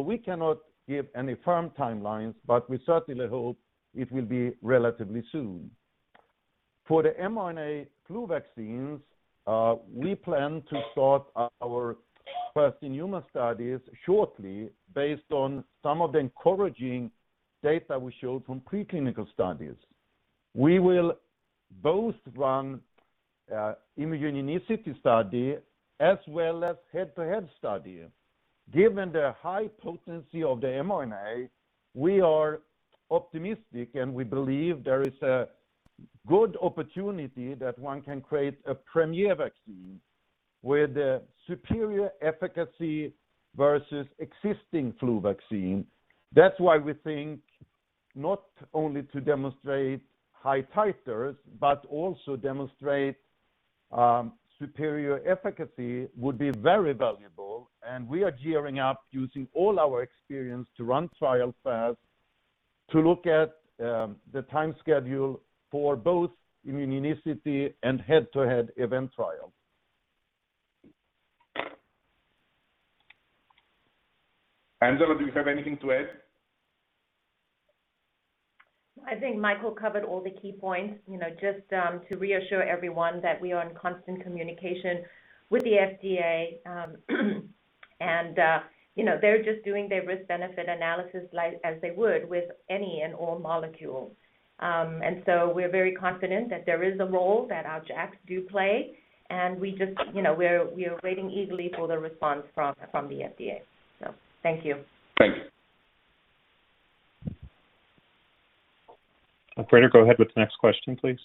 We cannot give any firm timelines, but we certainly hope it will be relatively soon. For the mRNA flu vaccines, we plan to start our first in human studies shortly based on some of the encouraging data we showed from preclinical studies. We will both run immunogenicity study as well as head-to-head study. Given the high potency of the mRNA, we are optimistic, and we believe there is a good opportunity that one can create a premier vaccine with a superior efficacy versus existing flu vaccine. That's why we think not only to demonstrate high titers, but also demonstrate superior efficacy would be very valuable, and we are gearing up using all our experience to run trials fast to look at the time schedule for both immunogenicity and head-to-head event trial. Angela, do you have anything to add? I think Mikael covered all the key points. Just to reassure everyone that we are in constant communication with the FDA, they're just doing their risk-benefit analysis like as they would with any and all molecules. We're very confident that there is a role that our JAKs do play, we are waiting eagerly for the response from the FDA. Thank you. Thank you. Operator, go ahead with the next question, please.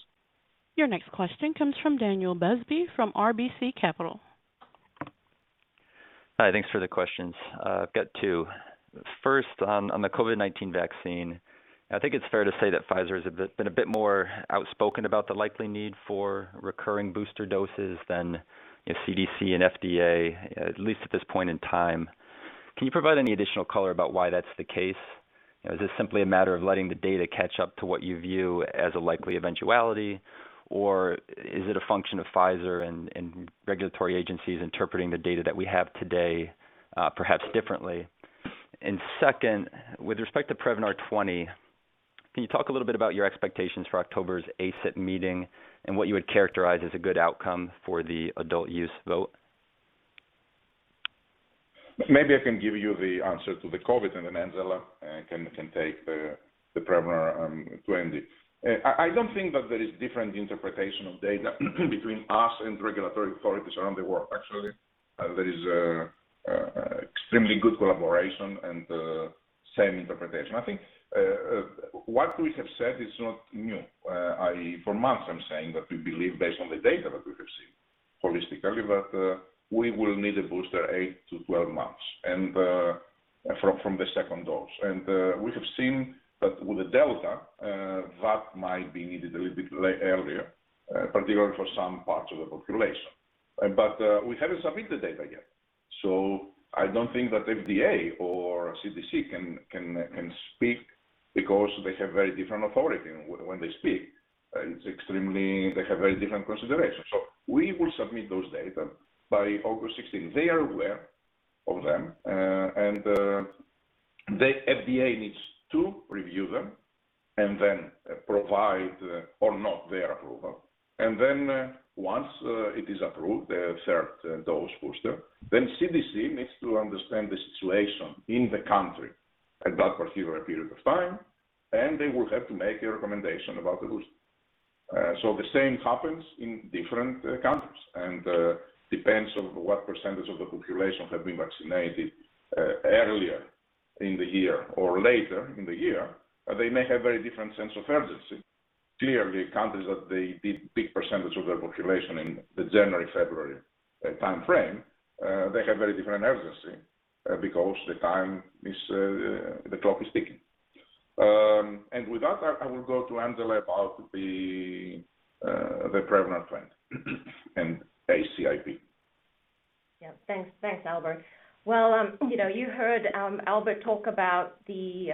Your next question comes from Daniel Busby from RBC Capital. Hi, thanks for the questions. I've got two. First, on the COVID-19 vaccine, I think it's fair to say that Pfizer has been a bit more outspoken about the likely need for recurring booster doses than CDC and FDA, at least at this point in time. Can you provide any additional color about why that's the case? Is this simply a matter of letting the data catch up to what you view as a likely eventuality, or is it a function of Pfizer and regulatory agencies interpreting the data that we have today, perhaps differently? Second, with respect to Prevnar 20, can you talk a little bit about your expectations for October's ACIP meeting and what you would characterize as a good outcome for the adult use vote? Maybe I can give you the answer to the COVID and then Angela can take the Prevnar 20. I don't think that there is different interpretation of data between us and regulatory authorities around the world. Actually, there is extremely good collaboration and same interpretation. I think what we have said is not new. For months, I'm saying that we believe based on the data that we have seen holistically, that we will need a booster 8 months-12 months from the second dose. We have seen that with the Delta, that might be needed a little bit earlier, particularly for some parts of the population. We haven't submitted data yet, so I don't think that FDA or CDC can speak because they have very different authority when they speak. They have very different considerations. We will submit those data by August 16. They are aware of them. The FDA needs to review them and then provide or not their approval. Once it is approved, the third dose booster, CDC needs to understand the situation in the country at that particular period of time. They will have to make a recommendation about the booster. The same happens in different countries and depends on what percentage of the population have been vaccinated earlier in the year or later in the year. They may have very different sense of urgency. Clearly, countries that a big percentage of their population in the January, February timeframe, they have very different urgency, because the clock is ticking. With that, I will go to Angela about the Prevnar 20 and ACIP. Thanks, Albert. Well, you heard Albert talk about the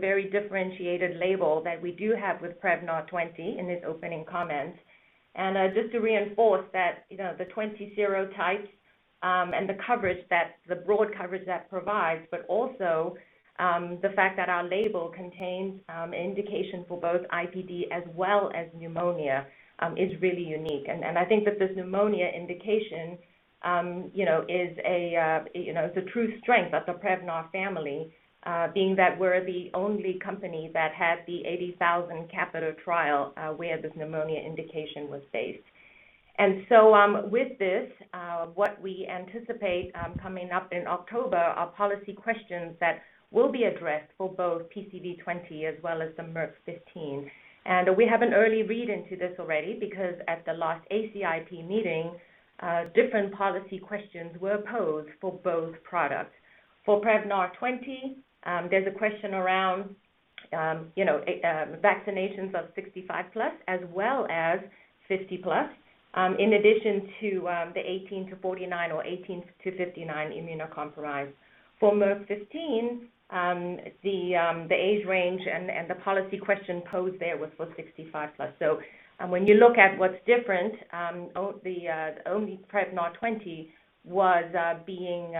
very differentiated label that we do have with Prevnar 20 in his opening comments. Just to reinforce that the 20 serotypes, and the broad coverage that provides, but also, the fact that our label contains indication for both IPD as well as pneumonia, is really unique. I think that this pneumonia indication is the true strength of the Prevnar family, being that we're the only company that had the 80,000 CAPiTA trial, where this pneumonia indication was based. With this, what we anticipate coming up in October are policy questions that will be addressed for both PCV20 as well as the Merck 15. We have an early read into this already because at the last ACIP meeting, different policy questions were posed for both products. For Prevnar 20, there's a question around vaccinations of 65 plus as well as 50 plus, in addition to the 18-49 or 18-59 immunocompromised. For Merck 15, the age range and the policy question posed there was for 65 plus. When you look at what's different, only Prevnar 20 was being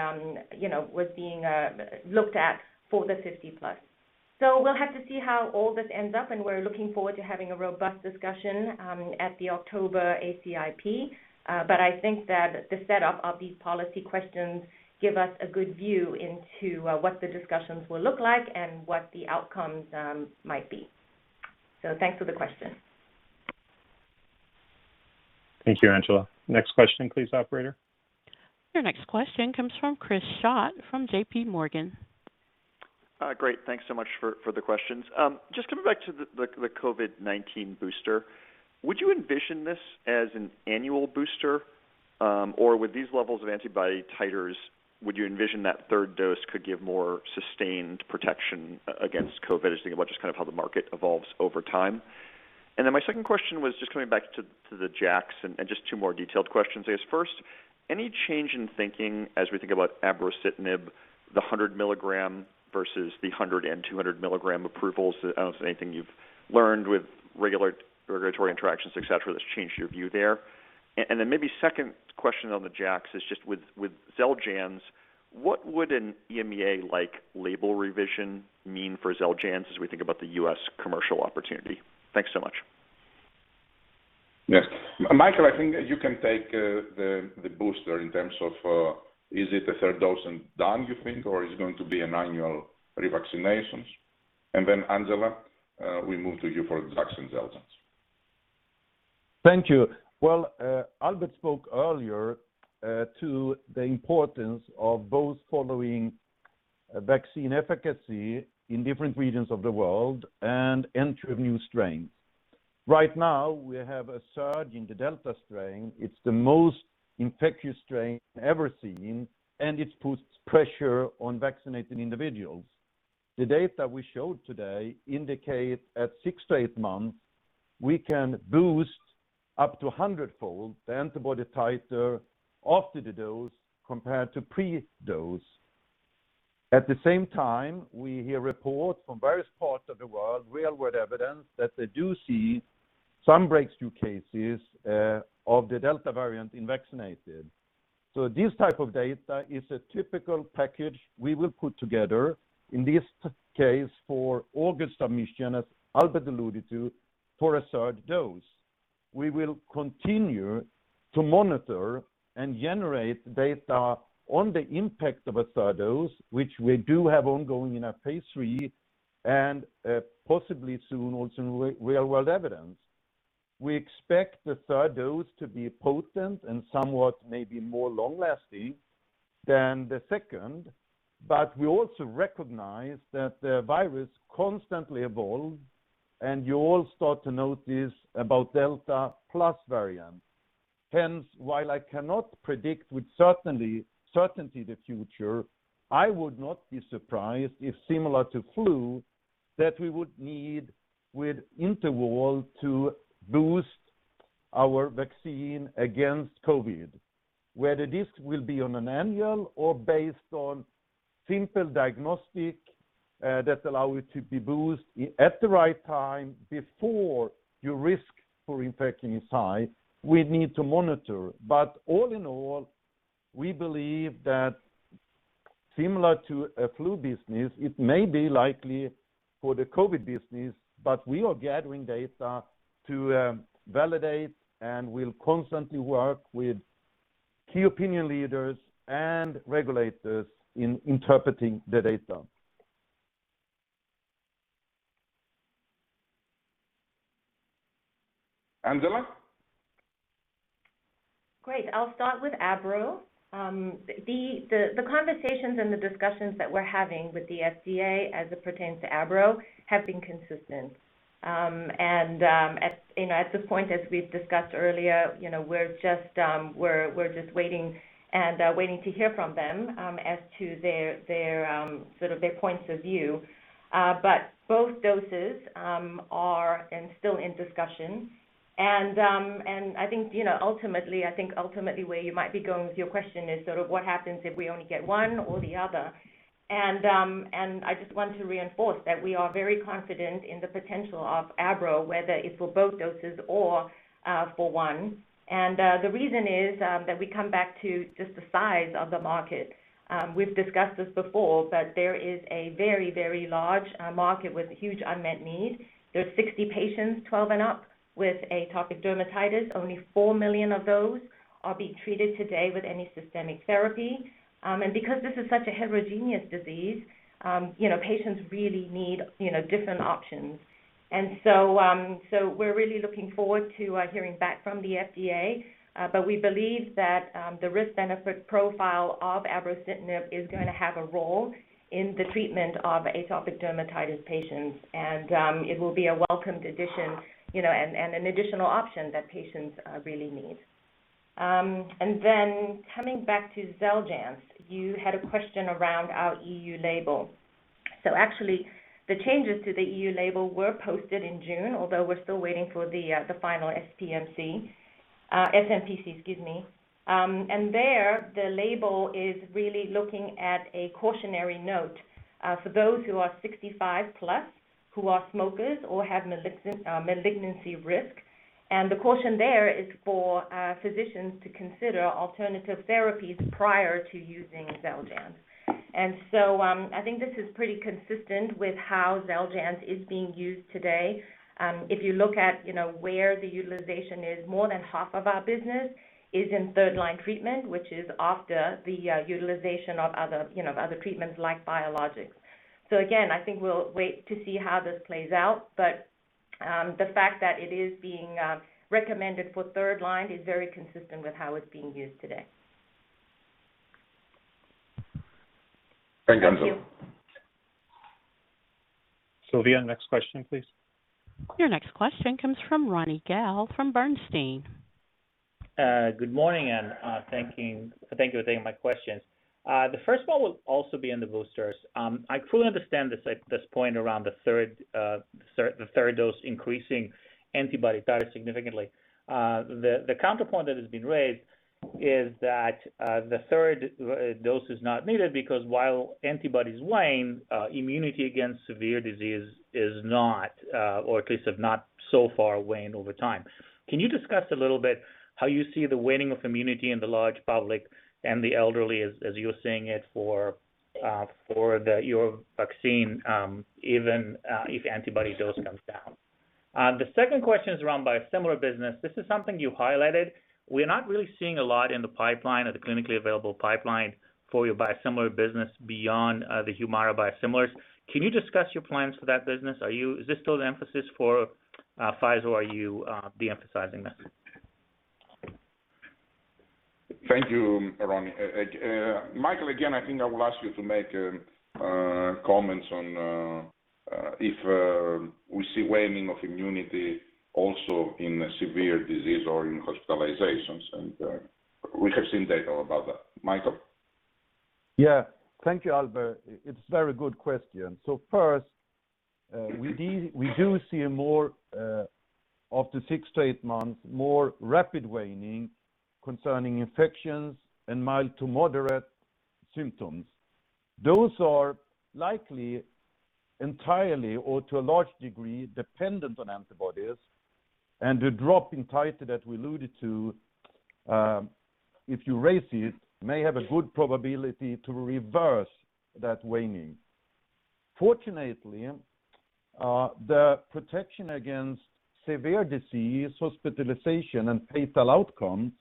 looked at for the 50 plus. We'll have to see how all this ends up, and we're looking forward to having a robust discussion at the October ACIP. I think that the setup of these policy questions give us a good view into what the discussions will look like and what the outcomes might be. Thanks for the question. Thank you, Angela. Next question please, operator. Your next question comes from Chris Schott from JPMorgan. Thanks so much for the questions. Coming back to the COVID-19 booster, would you envision this as an annual booster, or with these levels of antibody titers, would you envision that third dose could give more sustained protection against COVID, thinking about how the market evolves over time. My second question was coming back to the JAK and 2 more detailed questions I guess. First, any change in thinking as we think about abrocitinib, the 100 mg versus the 100 mg and 200 mg approvals? I don't know if there's anything you've learned with regulatory interactions, et cetera, that's changed your view there. Maybe second question on the JAK is with XELJANZ, what would an EMEA-like label revision mean for XELJANZ as we think about the U.S. commercial opportunity? Thanks so much. Yes. Mikael, I think you can take the booster in terms of is it a third dose and done you think, or is it going to be an annual revaccinations? Angela, we move to you for JAK and XELJANZ. Thank you. Well, Albert spoke earlier to the importance of both following vaccine efficacy in different regions of the world and entry of new variants. Right now, we have a surge in the Delta variant. It's the most infectious variant ever seen, and it puts pressure on vaccinating individuals. The data we showed today indicate at six to eight months, we can boost up to 100-fold the antibody titer after the dose compared to pre-dose. At the same time, we hear reports from various parts of the world, real-world evidence, that they do see some breakthrough cases of the Delta variant in vaccinated. This type of data is a typical package we will put together, in this case, for August submission, as Albert alluded to, for a third dose. We will continue to monitor and generate data on the impact of a third dose, which we do have ongoing in our phase III, and possibly soon also in real-world evidence. We expect the third dose to be potent and somewhat maybe more long-lasting than the second, but we also recognize that the virus constantly evolves, and you all start to notice about Delta Plus variant. While I cannot predict with certainty the future, I would not be surprised if similar to flu, that we would need, with interval, to boost our vaccine against COVID. Whether this will be on an annual or based on simple diagnostic, that allow it to be boosted at the right time before your risk for infecting is high, we need to monitor. All in all, we believe that similar to a flu business, it may be likely for the COVID business, but we are gathering data to validate, and we'll constantly work with key opinion leaders and regulators in interpreting the data. Angela? Great. I'll start with abrocitinib. The conversations and the discussions that we're having with the FDA as it pertains to abrocitinib have been consistent. At this point, as we've discussed earlier, we're just waiting to hear from them as to their points of view. Both doses are still in discussion. I think ultimately, where you might be going with your question is sort of what happens if we only get one or the other. I just want to reinforce that we are very confident in the potential of abrocitinib, whether it's for both doses or for one. The reason is that we come back to just the size of the market. We've discussed this before, but there is a very, very large market with huge unmet need. There's 60 patients, 12 and up, with atopic dermatitis. Only 4 million of those are being treated today with any systemic therapy. Because this is such a heterogeneous disease, patients really need different options. We're really looking forward to hearing back from the FDA. We believe that the risk-benefit profile of abrocitinib is going to have a role in the treatment of atopic dermatitis patients. It will be a welcomed addition, an additional option that patients really need. Coming back to XELJANZ, you had a question around our EU label. Actually, the changes to the EU label were posted in June, although we're still waiting for the final SmPC, excuse me. There, the label is really looking at a cautionary note for those who are 65+, who are smokers or have malignancy risk. The caution there is for physicians to consider alternative therapies prior to using XELJANZ. I think this is pretty consistent with how XELJANZ is being used today. If you look at where the utilization is, more than half of our business is in third-line treatment, which is after the utilization of other treatments like biologics. Again, I think we'll wait to see how this plays out, but the fact that it is being recommended for third-line is very consistent with how it's being used today. Thank you. Thank you. Sylvia, next question, please. Your next question comes from Ronny Gal from Bernstein. Good morning. Thank you for taking my questions. The first one will also be on the boosters. I fully understand this point around the third dose increasing antibody titer significantly. The counterpoint that has been raised is that the third dose is not needed because while antibodies wane, immunity against severe disease is not, or at least have not so far waned over time. Can you discuss a little bit how you see the waning of immunity in the large public and the elderly as you're seeing it for your vaccine, even if antibody dose comes down? The second question is around biosimilar business. This is something you highlighted. We're not really seeing a lot in the pipeline or the clinically available pipeline for your biosimilar business beyond the Humira biosimilars. Can you discuss your plans for that business? Is this still the emphasis for Pfizer or are you de-emphasizing that? Thank you, Ronny. Mikael, again, I think I will ask you to make comments on if we see waning of immunity also in severe disease or in hospitalizations. We have seen data about that. Mikael? Thank you, Albert. It's a very good question. First, we do see more, after 6 months-8 months, more rapid waning concerning infections and mild to moderate symptoms. Those are likely entirely or to a large degree dependent on antibodies, the drop in titer that we alluded to, if you raise it, may have a good probability to reverse that waning. Fortunately, the protection against severe disease, hospitalization, and fatal outcomes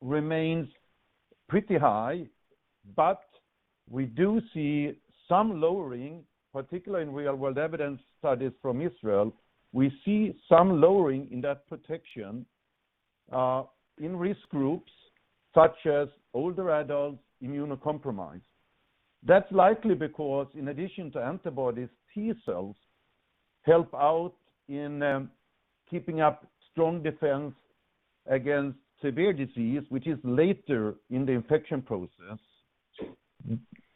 remains pretty high, we do see some lowering, particularly in real-world evidence studies from Israel. We see some lowering in that protection in risk groups such as older adults, immunocompromised. That's likely because in addition to antibodies, T cells help out in keeping up strong defense against severe disease, which is later in the infection process,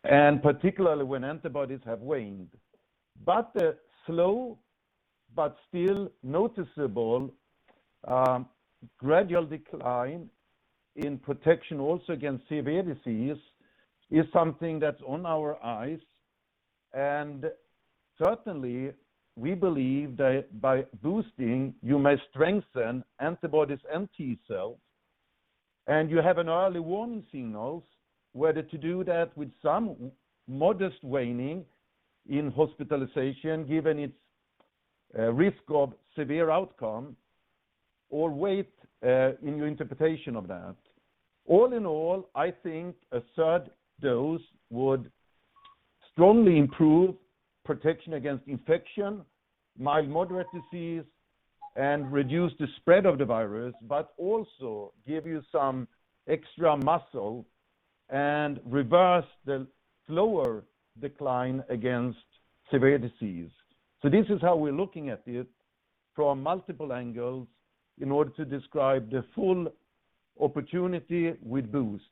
and particularly when antibodies have waned. The slow, but still noticeable gradual decline in protection also against severe disease is something that's on our eyes. Certainly, we believe that by boosting, you may strengthen antibodies and T cells, and you have an early warning signals whether to do that with some modest waning in hospitalization given its risk of severe outcome or weight in your interpretation of that. All in all, I think a third dose would strongly improve protection against infection, mild, moderate disease, and reduce the spread of the virus, but also give you some extra muscle and reverse the slower decline against severe disease. This is how we're looking at it from multiple angles in order to describe the full opportunity with boost.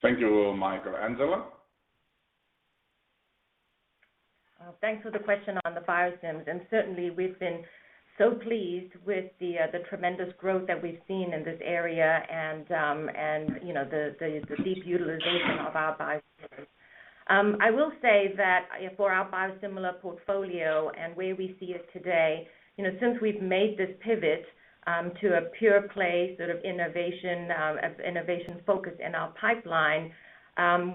Thank you, Mikael. Angela? Thanks for the question on the biosims. Certainly, we've been so pleased with the tremendous growth that we've seen in this area and the deep utilization of our biosims. I will say that for our biosimilar portfolio and where we see it today, since we've made this pivot to a pure play innovation focus in our pipeline,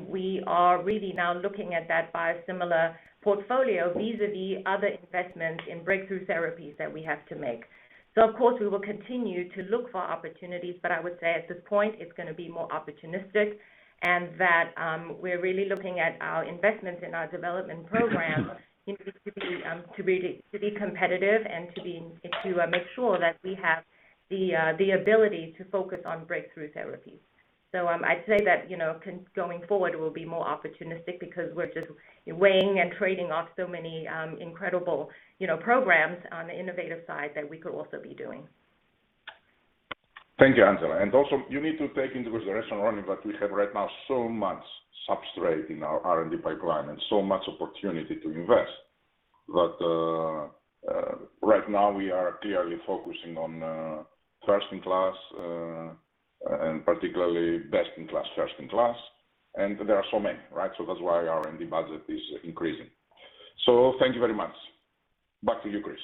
we are really now looking at that biosimilar portfolio vis-a-vis other investments in breakthrough therapies that we have to make. Of course, we will continue to look for opportunities, but I would say at this point, it's going to be more opportunistic, and that we're really looking at our investments in our development program to be competitive and to make sure that we have the ability to focus on breakthrough therapies. I'd say that going forward, we'll be more opportunistic because we're just weighing and trading off so many incredible programs on the innovative side that we could also be doing. Thank you, Angela. Also, you need to take into consideration, Ronny, that we have right now so much substrate in our R&D pipeline and so much opportunity to invest. Right now we are clearly focusing on first in class and particularly best in class, and there are so many, right? That's why R&D budget is increasing. Thank you very much. Back to you, Chris.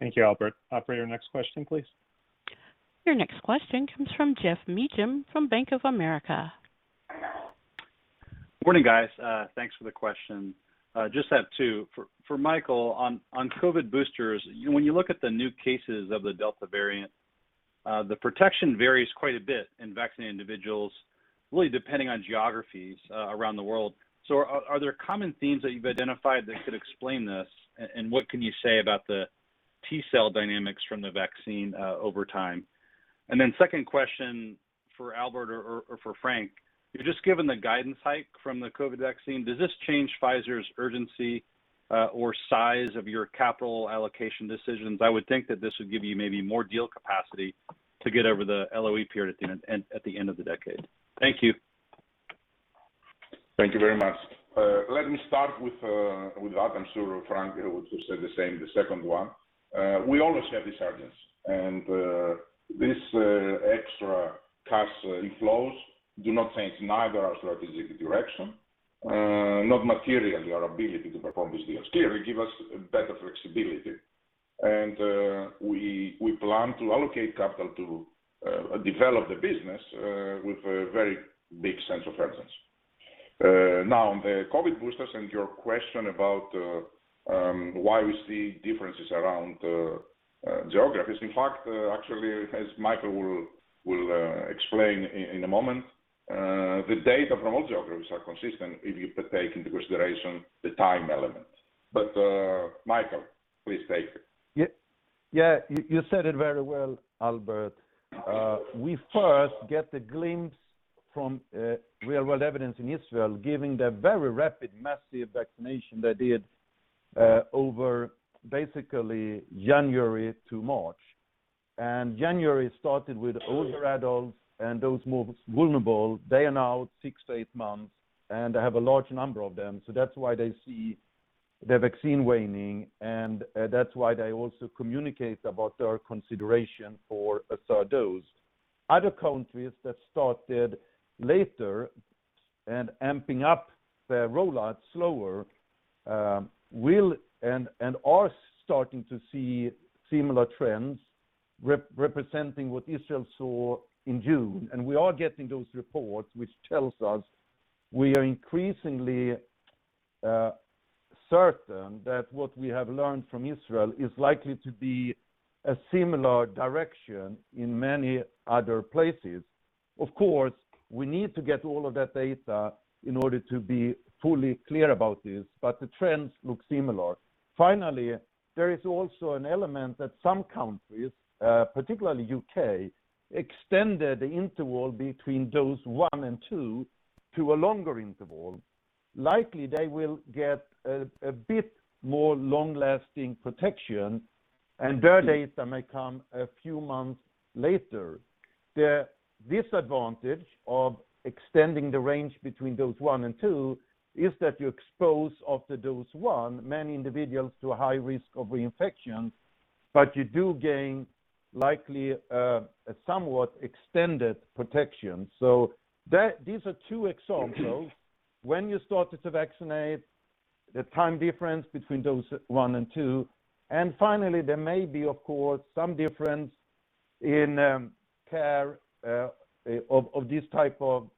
Thank you, Albert. Operator, next question, please. Your next question comes from Geoff Meacham from Bank of America. Morning, guys. Thanks for the question. Just have two. For Mikael, on COVID boosters, when you look at the new cases of the Delta variant, the protection varies quite a bit in vaccinated individuals, really depending on geographies around the world. Are there common themes that you've identified that could explain this? What can you say about the T-cell dynamics from the vaccine over time? Second question for Albert or for Frank, just given the guidance hike from the COVID vaccine, does this change Pfizer's urgency or size of your capital allocation decisions? I would think that this would give you maybe more deal capacity to get over the LOE period at the end of the decade. Thank you. Thank you very much. Let me start with that. I'm sure Frank would say the same, the second one. We always have this urgency, and these extra cash inflows do not change neither our strategic direction, not materially our ability to perform these deals. Clearly, give us better flexibility. We plan to allocate capital to develop the business with a very big sense of urgency. Now, on the COVID boosters and your question about why we see differences around geographies, in fact, actually, as Mikael will explain in a moment, the data from all geographies are consistent if you take into consideration the time element. Mikael, please take it. You said it very well, Albert. We first get a glimpse from real-world evidence in Israel giving the very rapid, massive vaccination they did over basically January to March. January started with older adults and those most vulnerable. They are now 6 months-8 months, and they have a large number of them, so that's why they see the vaccine waning, and that's why they also communicate about their consideration for a third dose. Other countries that started later and amping up their rollout slower will and are starting to see similar trends representing what Israel saw in June. We are getting those reports, which tells us we are increasingly certain that what we have learned from Israel is likely to be a similar direction in many other places. We need to get all of that data in order to be fully clear about this. The trends look similar. There is also an element that some countries, particularly U.K., extended the interval between dose one and two to a longer interval. Likely, they will get a bit more long-lasting protection. Their data may come a few months later. The disadvantage of extending the range between dose 1 and 2 is that you expose, after dose one, many individuals to a high risk of reinfection, but you do gain likely a somewhat extended protection. These are two examples. When you started to vaccinate, the time difference between dose one and two. Finally, there may be, of course, some difference in care of these type of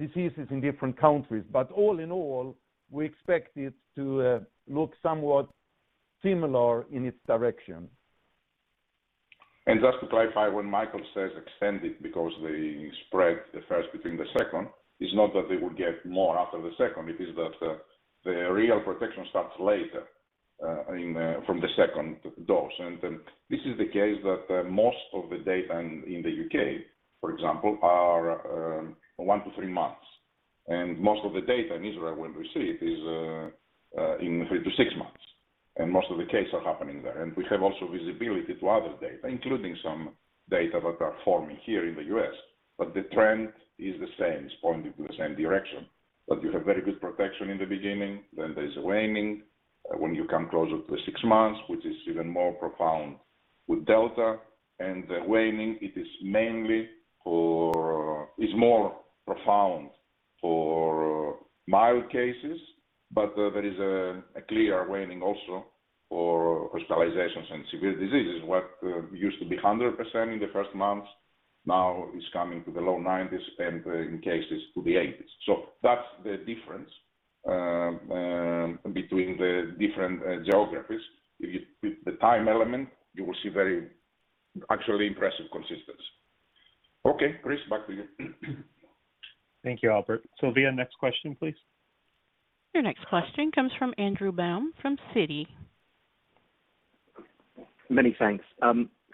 diseases in different countries. All in all, we expect it to look somewhat similar in its direction. Just to clarify, when Mikael says extended because they spread the first between the second, it's not that they would get more after the second. It is that the real protection starts later from the second dose. This is the case that most of the data in the U.K., for example, are 1 month-3 months, and most of the data in Israel when we see it is in 3 months-6 months, and most of the cases are happening there. We have also visibility to other data, including some data that are forming here in the U.S., but the trend is the same. It's pointing to the same direction, that you have very good protection in the beginning, then there's a waning when you come closer to six months, which is even more profound with Delta. The waning, it's more profound for mild cases, but there is a clear waning also for hospitalizations and severe diseases. What used to be 100% in the first months now is coming to the low 90s and in cases to the 80s. That's the difference between the different geographies. The time element, you will see very actually impressive consistence. Okay, Chris, back to you. Thank you, Albert. Sylvia, next question, please. Your next question comes from Andrew Baum from Citi. Many thanks.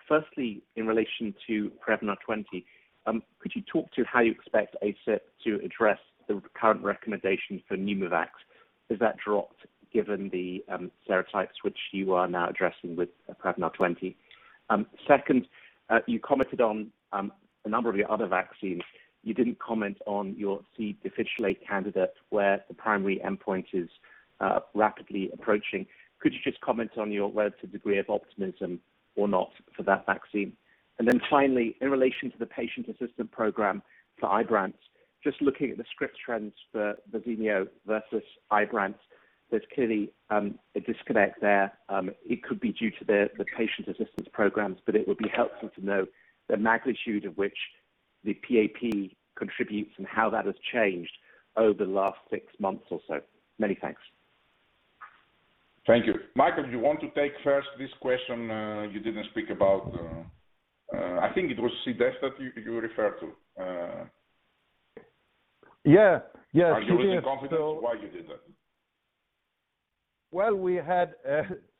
Firstly, in relation to Prevnar 20, could you talk to how you expect ACIP to address the current recommendation for Pneumovax? Is that dropped given the serotypes which you are now addressing with Prevnar 20? Second, you commented on a number of your other vaccines. You didn't comment on your C. difficile candidate, where the primary endpoint is rapidly approaching. Could you just comment on your relative degree of optimism or not for that vaccine? Finally, in relation to the patient assistant program for IBRANCE, just looking at the script trends for Verzenio versus IBRANCE, there's clearly a disconnect there. It could be due to the patient assistance programs, but it would be helpful to know the magnitude of which the PAP contributes and how that has changed over the last 6 months or so. Many thanks. Thank you. Mikael, do you want to take first this question you didn't speak about? I think it was C. diff that you referred to. Yeah. Are you really confident why you did that? We had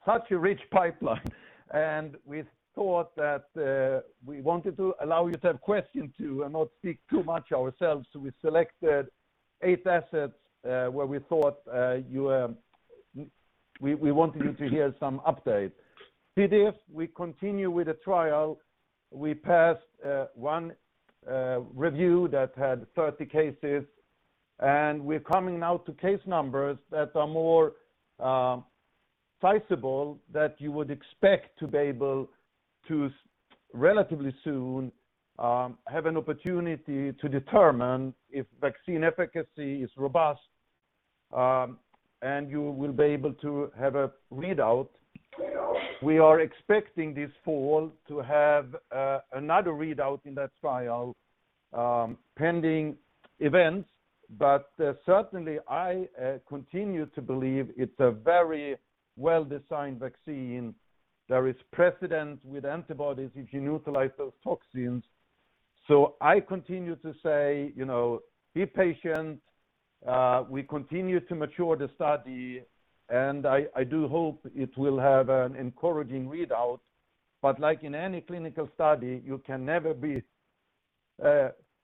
such a rich pipeline, and we thought that we wanted to allow you to have questions, too, and not speak too much ourselves. We selected 8 assets where we thought we wanted you to hear some updates. C. diff, we continue with the trial. We passed 1 review that had 30 cases, and we're coming now to case numbers that are more sizable that you would expect to be able to, relatively soon, have an opportunity to determine if vaccine efficacy is robust, and you will be able to have a readout. We are expecting this fall to have another readout in that trial, pending events. Certainly, I continue to believe it's a very well-designed vaccine. There is precedent with antibodies if you neutralize those toxins. I continue to say be patient. We continue to mature the study. I do hope it will have an encouraging readout. Like in any clinical study, you can never be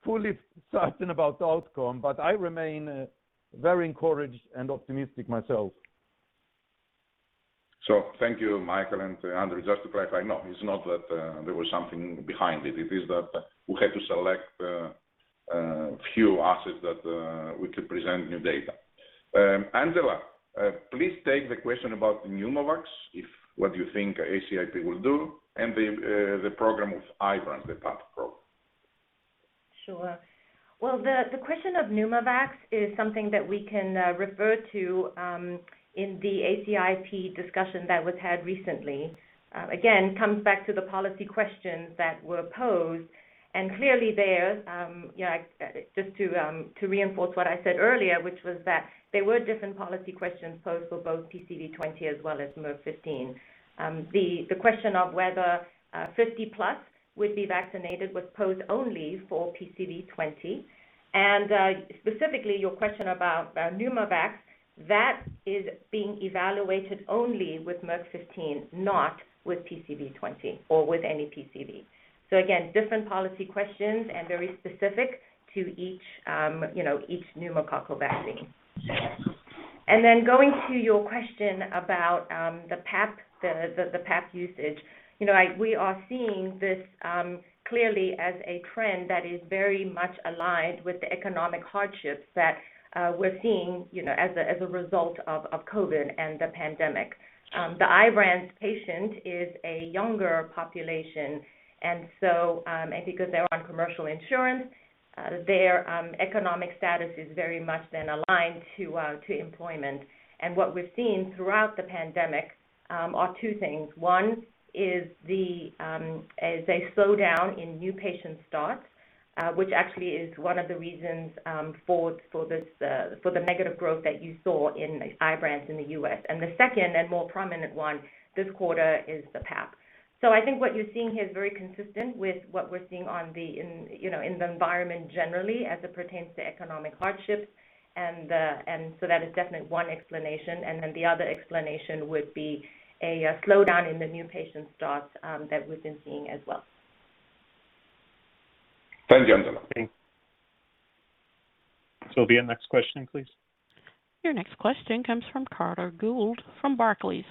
fully certain about the outcome, but I remain very encouraged and optimistic myself. Thank you, Mikael and Andrew. Just to clarify, no, it's not that there was something behind it. It is that we had to select few assets that we could present new data. Angela, please take the question about Pneumovax, what you think ACIP will do, and the program of IBRANCE, the PAP program. Sure. Well, the question of Pneumovax is something that we can refer to in the ACIP discussion that was had recently. Again, comes back to the policy questions that were posed, and clearly there, just to reinforce what I said earlier, which was that there were different policy questions posed for both PCV20 as well as Merck 15. The question of whether 50+ would be vaccinated was posed only for PCV20. Specifically your question about Pneumovax, that is being evaluated only with Merck 15, not with PCV20 or with any PCV. Again, different policy questions and very specific to each pneumococcal vaccine. Yes. Going to your question about the PAP usage. We are seeing this clearly as a trend that is very much aligned with the economic hardships that we're seeing as a result of COVID and the pandemic. The IBRANCE patient is a younger population, and because they're on commercial insurance, their economic status is very much then aligned to employment. What we're seeing throughout the pandemic are two things. one is a slowdown in new patient starts, which actually is one of the reasons for the negative growth that you saw in IBRANCE in the U.S. The second and more prominent one this quarter is the PAP. I think what you're seeing here is very consistent with what we're seeing in the environment generally as it pertains to economic hardships. That is definitely 1 explanation. The other explanation would be a slowdown in the new patient starts that we've been seeing as well. Thank you, Angela. Thanks. Sylvia, next question, please. Your next question comes from Carter Gould, from Barclays.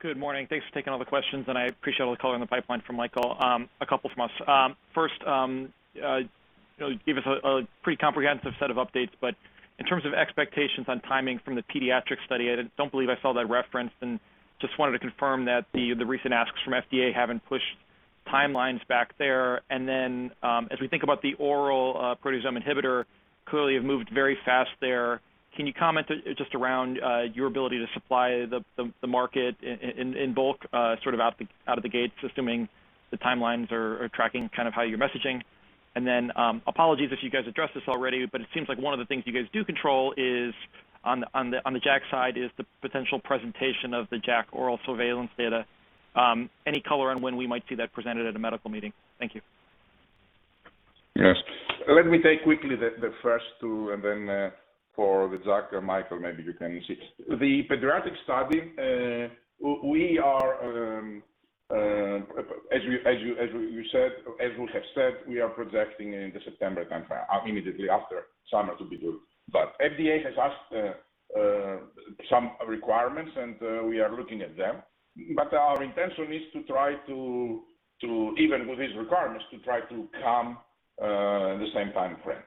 Good morning. Thanks for taking all the questions. I appreciate all the color on the pipeline from Mikael. A couple from us. First, give us a pretty comprehensive set of updates. In terms of expectations on timing from the pediatric study, I don't believe I saw that referenced. Just wanted to confirm that the recent asks from FDA haven't pushed timelines back there. As we think about the oral protease inhibitor, clearly you've moved very fast there. Can you comment just around your ability to supply the market in bulk sort of out of the gate, just assuming the timelines are tracking kind of how you're messaging? Apologies if you guys addressed this already, it seems like one of the things you guys do control is on the JAK side, is the potential presentation of the JAK ORAL Surveillance data. Any color on when we might see that presented at a medical meeting? Thank you. Yes. Let me take quickly the first two. Then for the JAK, Mikael, maybe you can assist. The pediatric study, as we have said, we are projecting into September timeframe, immediately after summer to be good. FDA has asked some requirements, and we are looking at them. Our intention is to try to, even with these requirements, to try to come in the same timeframe.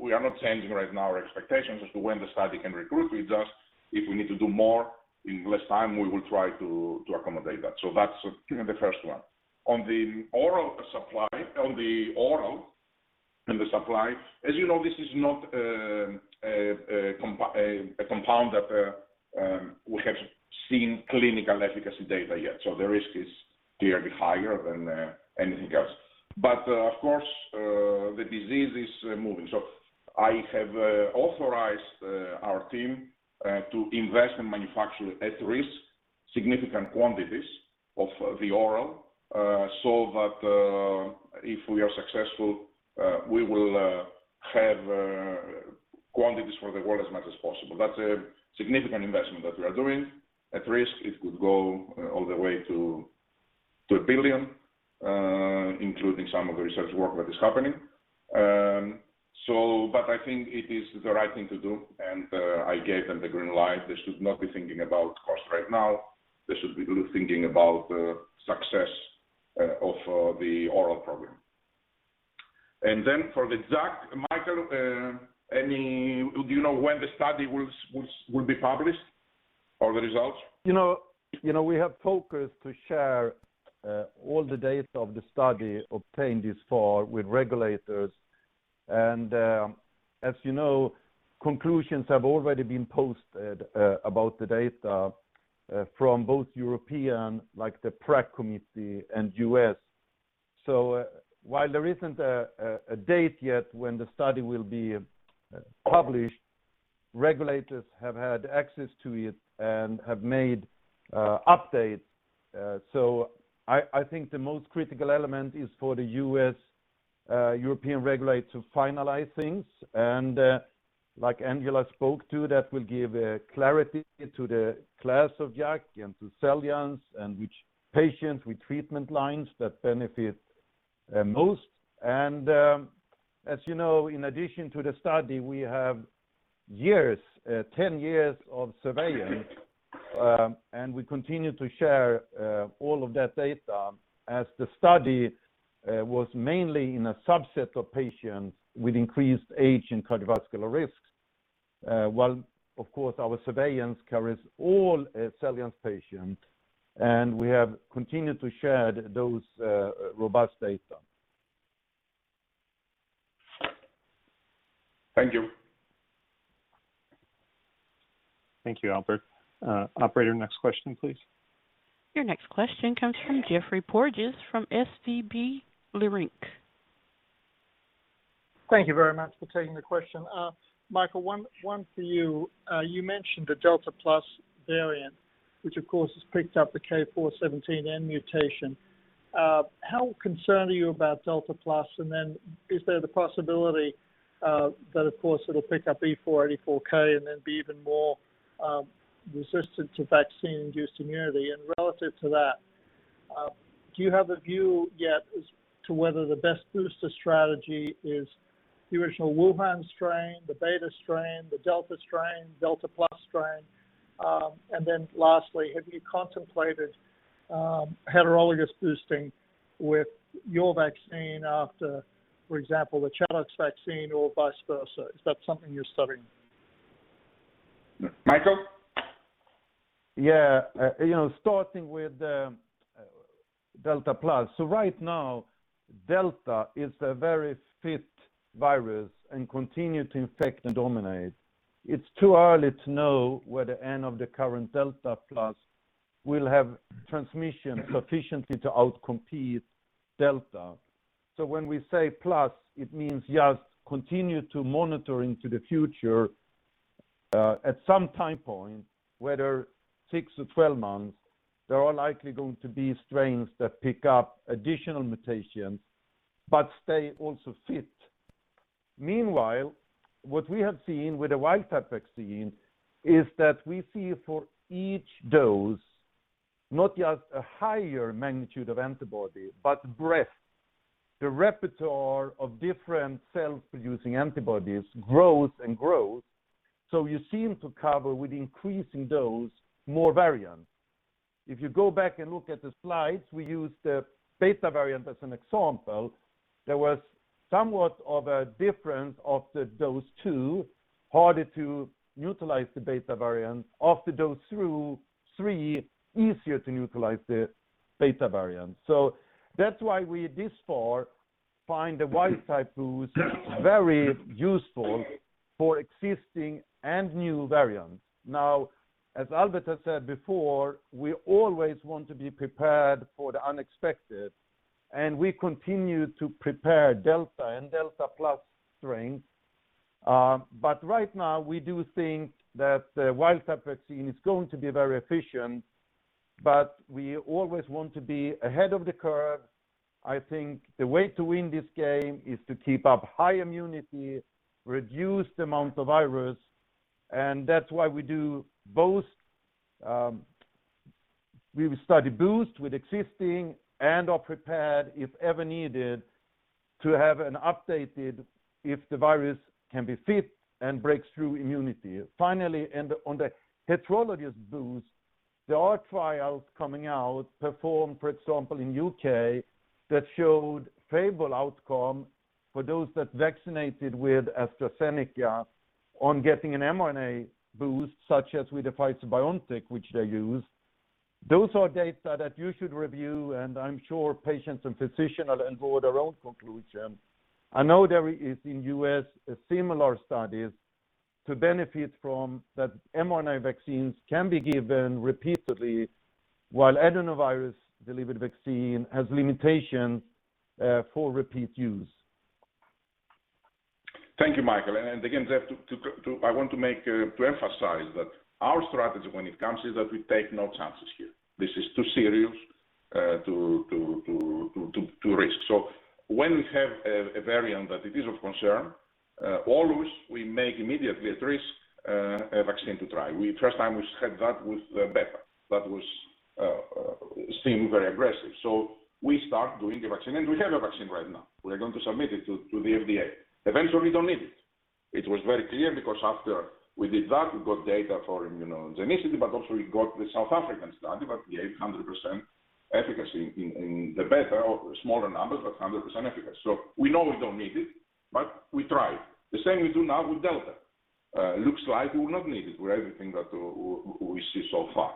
We are not changing right now our expectations as to when the study can recruit. It's just if we need to do more in less time, we will try to accommodate that. That's the first one. On the oral and the supply, as you know, this is not a compound that we have seen clinical efficacy data yet. The risk is clearly higher than anything else. Of course, the disease is moving. I have authorized our team to invest in manufacturing at risk, significant quantities of the oral, so that if we are successful, we will have quantities for the world as much as possible. That's a significant investment that we are doing at risk. It could go all the way to $1 billion, including some of the research work that is happening. I think it is the right thing to do, and I gave them the green light. They should not be thinking about cost right now. They should be thinking about success of the oral program. Then for the JAK, Mikael, do you know when the study will be published or the results? We have focused to share all the data of the study obtained this far with regulators. As you know, conclusions have already been posted about the data from both European, like the PRAC committee, and U.S. While there isn't a date yet when the study will be published, regulators have had access to it and have made updates. I think the most critical element is for the European regulator to finalize things and like Angela spoke to, that will give clarity to the class of JAK and to XELJANZ and which patients with treatment lines that benefit most. As you know, in addition to the study, we have 10 years of surveillance, and we continue to share all of that data as the study was mainly in a subset of patients with increased age and cardiovascular risks. While, of course, our surveillance covers all XELJANZ patients, and we have continued to share those robust data. Thank you. Thank you, Albert. Operator, next question, please. Your next question comes from Geoffrey Porges from SVB Leerink. Thank you very much for taking the question. Mikael, one for you. You mentioned the Delta Plus variant, which, of course, has picked up the K417N mutation. How concerned are you about Delta Plus, and then is there the possibility that, of course, it'll pick up E484K and then be even more resistant to vaccine-induced immunity? Relative to that, do you have a view yet as to whether the best booster strategy is the original Wuhan strain, the Beta variant, the Delta variant, Delta Plus variant? Lastly, have you contemplated heterologous boosting with your vaccine after, for example, the Janssen vaccine or vice versa? Is that something you're studying? Mikael? Yeah. Starting with Delta Plus. Right now, Delta is a very fit virus and continue to infect and dominate. It's too early to know whether any of the current Delta Plus will have transmission sufficiently to outcompete Delta. When we say plus, it means just continue to monitor into the future. At some time point, whether 6 or 12 months, there are likely going to be strains that pick up additional mutations but stay also fit. Meanwhile, what we have seen with the wild type vaccine is that we see for each dose, not just a higher magnitude of antibody, but breadth. The repertoire of different cells producing antibodies grows and grows. You seem to cover with increasing dose, more variants. If you go back and look at the slides, we used the Beta variant as an example. There was somewhat of a difference of the dose two, harder to utilize the Beta variant. After dose two, three, easier to utilize the Beta variant. That's why we, this far, find the wild type boost very useful for existing and new variants. As Albert has said before, we always want to be prepared for the unexpected, and we continue to prepare Delta and Delta+ strains. Right now, we do think that the wild type vaccine is going to be very efficient, but we always want to be ahead of the curve. I think the way to win this game is to keep up high immunity, reduce the amount of virus, and that's why we do both. We study boost with existing and are prepared if ever needed to have an updated if the virus can be fit and breaks through immunity. Finally, on the heterologous boost, there are trials coming out performed, for example, in U.K., that showed favorable outcome for those that vaccinated with AstraZeneca on getting an mRNA boost, such as with the Pfizer-BioNTech, which they use. Those are data that you should review, and I am sure patients and physicians will draw their own conclusion. I know there is in U.S. similar studies to benefit from that mRNA vaccines can be given repeatedly while adenovirus-delivered vaccine has limitations for repeat use. Thank you, Mikael. Again, Geoff, I want to emphasize that our strategy when it comes is that we take no chances here. This is too serious to risk. When we have a variant that it is of concern, always we make immediately a vaccine to try. First time we had that with Beta, that seemed very aggressive. We start doing the vaccine, and we have a vaccine right now. We're going to submit it to the FDA. Eventually, we don't need it. It was very clear because after we did that, we got data for immunogenicity, but also we got the South African study that behaved 100% efficacy in the Beta, smaller numbers, but 100% efficacy. We know we don't need it, but we tried. The same we do now with Delta. Looks like we will not need it with everything that we see so far.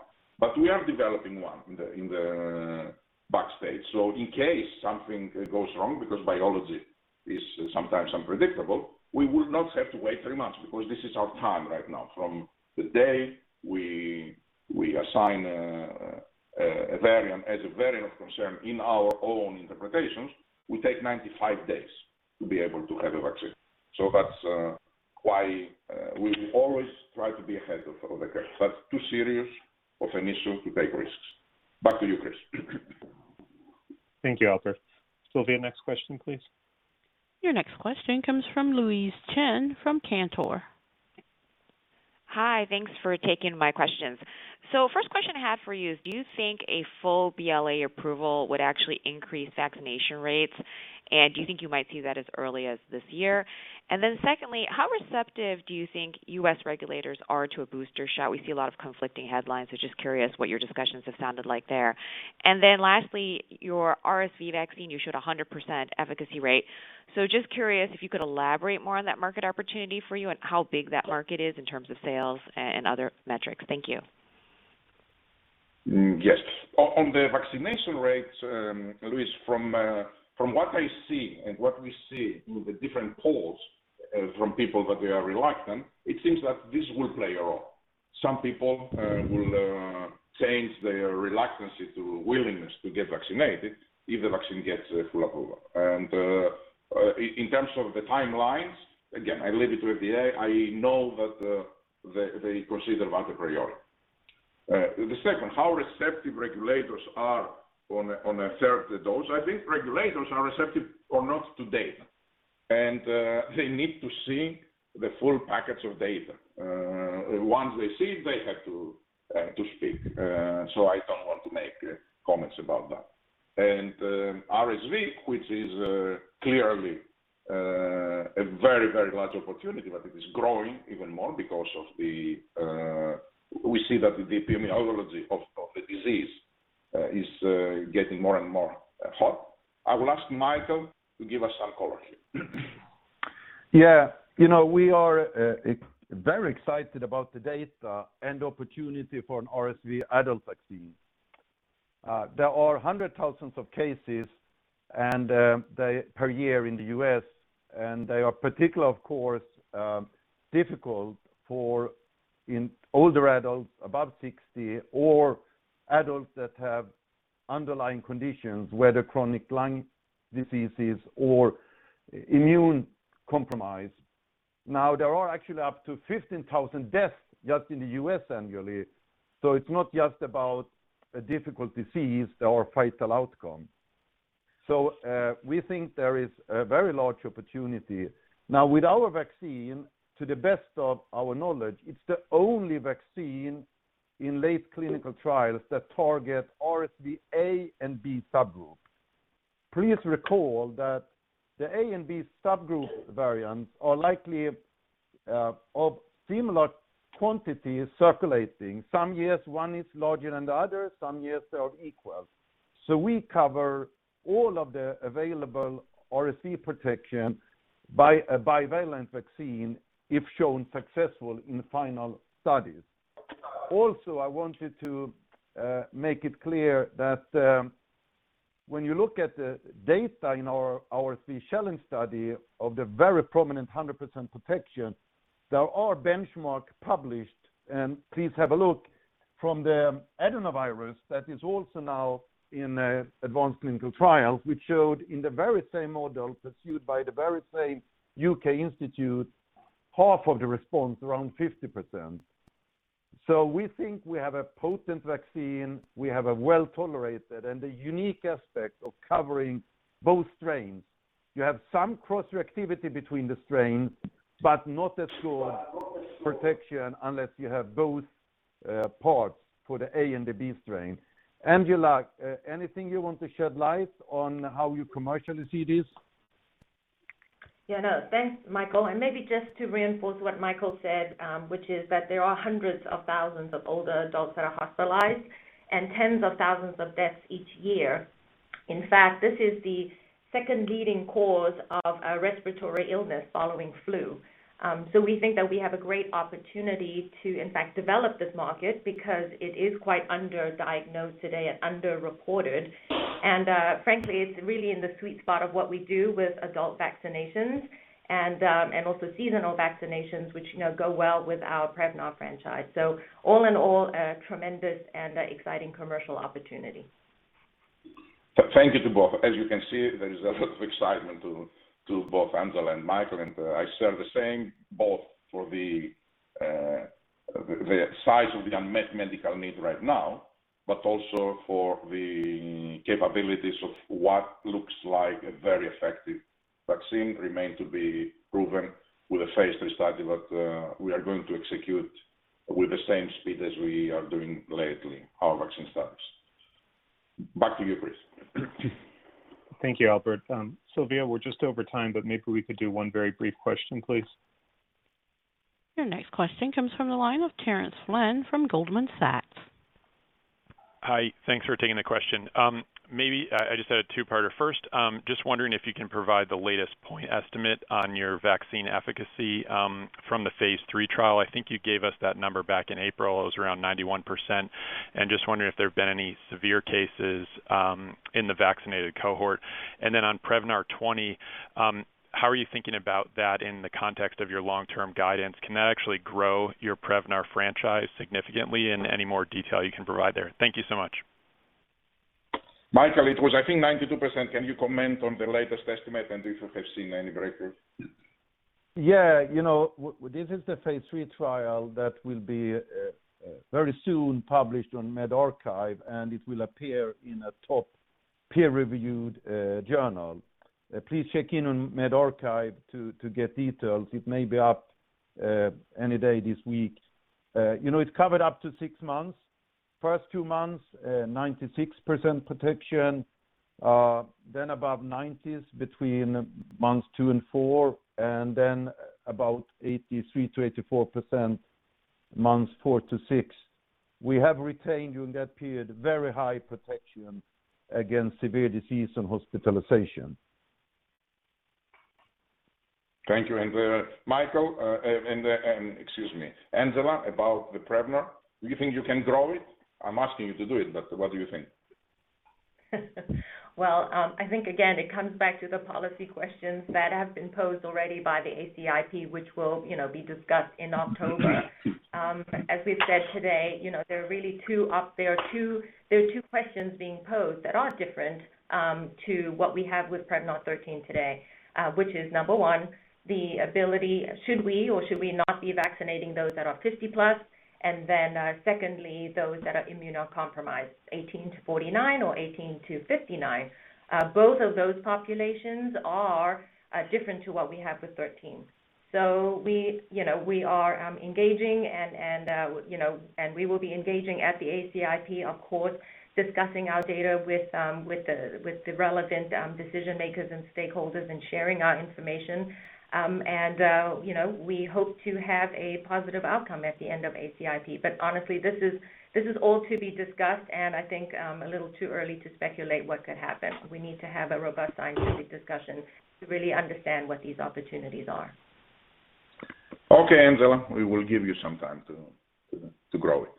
We are developing one in the backstage. In case something goes wrong, because biology is sometimes unpredictable, we will not have to wait three months because this is our time right now. From the day we assign a variant as a variant of concern in our own interpretations, we take 95 days to be able to have a vaccine. That's why we always try to be ahead of the curve. That's too serious of an issue to take risks. Back to you, Chris. Thank you, Albert. Sylvia, next question, please. Your next question comes from Louise Chen from Cantor. Hi, thanks for taking my questions. First question I had for you is, do you think a full BLA approval would actually increase vaccination rates? Do you think you might see that as early as this year? Secondly, how receptive do you think U.S. regulators are to a booster shot? We see a lot of conflicting headlines, so just curious what your discussions have sounded like there. Lastly, your RSV vaccine, you showed 100% efficacy rate. Just curious if you could elaborate more on that market opportunity for you and how big that market is in terms of sales and other metrics. Thank you. Yes. On the vaccination rates, Louise, from what I see and what we see in the different polls from people that they are reluctant, it seems that this will play a role. Some people will change their reluctance to willingness to get vaccinated if the vaccine gets full approval. In terms of the timelines, again, I leave it with the FDA. I know that they consider it very priority. The second, how receptive regulators are on a third dose. I think regulators are receptive or not to data, and they need to see the full packets of data. Once they see it, they have to speak. I don't want to make comments about that. RSV, which is clearly a very large opportunity, but it is growing even more because we see that the epidemiology of the disease is getting more and more hot. I will ask Mikael to give us some color here. Yeah, we are very excited about the data and opportunity for an RSV adult vaccine. There are 100,000s of cases per year in the U.S., and they are particularly, of course, difficult for older adults above 60 or adults that have underlying conditions, whether chronic lung diseases or immune compromise. Now, there are actually up to 15,000 deaths just in the U.S. annually, so it's not just about a difficult disease or fatal outcome. We think there is a very large opportunity. Now, with our vaccine, to the best of our knowledge, it's the only vaccine in late clinical trials that targets RSV A and B subgroups. Please recall that the A and B subgroup variants are likely of similar quantities circulating. Some years, one is larger than the other, some years they are equal. We cover all of the available RSV protection by a bivalent vaccine if shown successful in final studies. I wanted to make it clear that when you look at the data in our RSV challenge study of the very prominent 100% protection, there are benchmarks published, and please have a look from the adenovirus that is also now in advanced clinical trials, which showed in the very same model pursued by the very same U.K. institute, half of the response, around 50%. We think we have a potent vaccine, we have a well-tolerated, and the unique aspect of covering both strains. You have some cross-reactivity between the strains, but not as good protection unless you have both parts for the A and the B strain. Angela, anything you want to shed light on how you commercially see this? Yeah, no. Thanks, Mikael. Maybe just to reinforce what Mikael said, which is that there are hundreds of thousands of older adults that are hospitalized and tens of thousands of deaths each year. In fact, this is the second leading cause of respiratory illness following flu. We think that we have a great opportunity to, in fact, develop this market because it is quite under-diagnosed today and under-reported. Frankly, it's really in the sweet spot of what we do with adult vaccinations and also seasonal vaccinations, which go well with our Prevnar franchise. All in all, a tremendous and exciting commercial opportunity. Thank you to both. As you can see, there is a lot of excitement to both Angela and Mikael, and I share the same, both for the size of the unmet medical need right now, but also for the capabilities of what looks like a very effective vaccine. Remain to be proven with a phase III study. We are going to execute with the same speed as we are doing lately, our vaccine studies. Back to you, please. Thank you, Albert. Sylvia, we're just over time, but maybe we could do one very brief question, please. Your next question comes from the line of Terence Flynn from Goldman Sachs. Hi. Thanks for taking the question. Maybe I just had a two-parter. Just wondering if you can provide the latest point estimate on your vaccine efficacy from the phase III trial. I think you gave us that number back in April. It was around 91%. Just wondering if there have been any severe cases in the vaccinated cohort. On Prevnar 20, how are you thinking about that in the context of your long-term guidance? Can that actually grow your Prevnar franchise significantly? Any more detail you can provide there. Thank you so much. Mikael, it was, I think, 92%. Can you comment on the latest estimate and if you have seen any breakthrough? Yeah. This is the phase III trial that will be very soon published on medRxiv, and it will appear in a top peer-reviewed journal. Please check in on medRxiv to get details. It may be up any day this week. It covered up to six months. First two months, 96% protection, then above 90s between months two and four, and then about 83%-84% months four to six. We have retained, during that period, very high protection against severe disease and hospitalization. Thank you, Mikael. Excuse me, Angela, about the Prevnar. Do you think you can grow it? I'm asking you to do it, what do you think? I think, again, it comes back to the policy questions that have been posed already by the ACIP, which will be discussed in October. As we've said today, there are two questions being posed that are different to what we have with Prevnar 13 today. Which is, number one, the ability, should we or should we not be vaccinating those that are 50 plus? Secondly, those that are immunocompromised, 18-49 or 18-59. Both of those populations are different to what we have with 13. We are engaging and we will be engaging at the ACIP, of course, discussing our data with the relevant decision-makers and stakeholders and sharing our information. We hope to have a positive outcome at the end of ACIP. Honestly, this is all to be discussed and I think a little too early to speculate what could happen. We need to have a robust scientific discussion to really understand what these opportunities are. Okay, Angela. We will give you some time to grow it.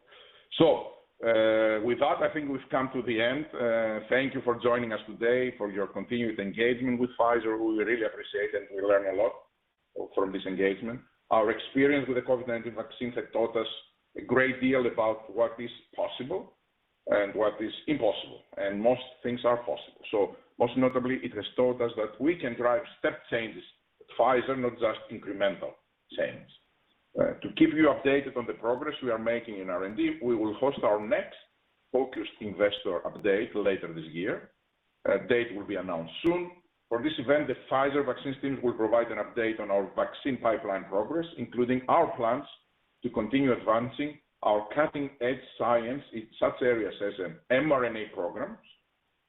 With that, I think we've come to the end. Thank you for joining us today, for your continued engagement with Pfizer. We really appreciate it, and we learn a lot from this engagement. Our experience with the COVID-19 vaccines has taught us a great deal about what is possible and what is impossible, and most things are possible. Most notably, it has taught us that we can drive step changes at Pfizer, not just incremental change. To keep you updated on the progress we are making in R&D, we will host our next focused investor update later this year. A date will be announced soon. For this event, the Pfizer vaccine team will provide an update on our vaccine pipeline progress, including our plans to continue advancing our cutting-edge science in such areas as in mRNA programs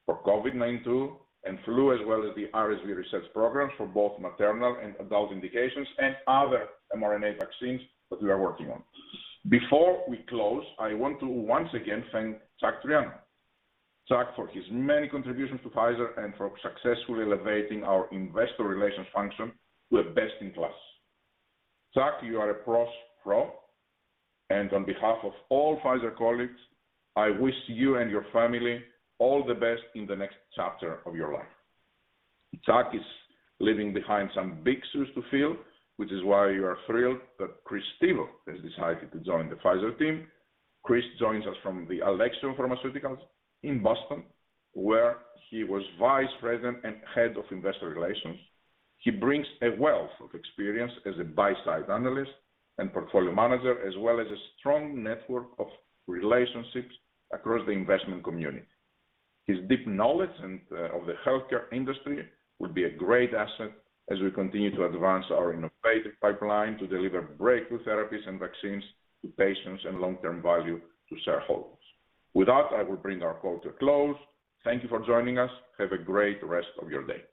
for COVID-19 and flu, as well as the RSV research programs for both maternal and adult indications and other mRNA vaccines that we are working on. Before we close, I want to once again thank Chuck Triano. Chuck, for his many contributions to Pfizer and for successfully elevating our investor relations function to a best-in-class. Chuck, you are a pro's pro, and on behalf of all Pfizer colleagues, I wish you and your family all the best in the next chapter of your life. Chuck is leaving behind some big shoes to fill, which is why we are thrilled that Chris Stevo has decided to join the Pfizer team. Chris joins us from Alexion Pharmaceuticals in Boston, where he was vice president and head of investor relations. He brings a wealth of experience as a buy-side analyst and portfolio manager, as well as a strong network of relationships across the investment community. His deep knowledge of the healthcare industry will be a great asset as we continue to advance our innovative pipeline to deliver breakthrough therapies and vaccines to patients and long-term value to shareholders. With that, I will bring our call to close. Thank you for joining us. Have a great rest of your day.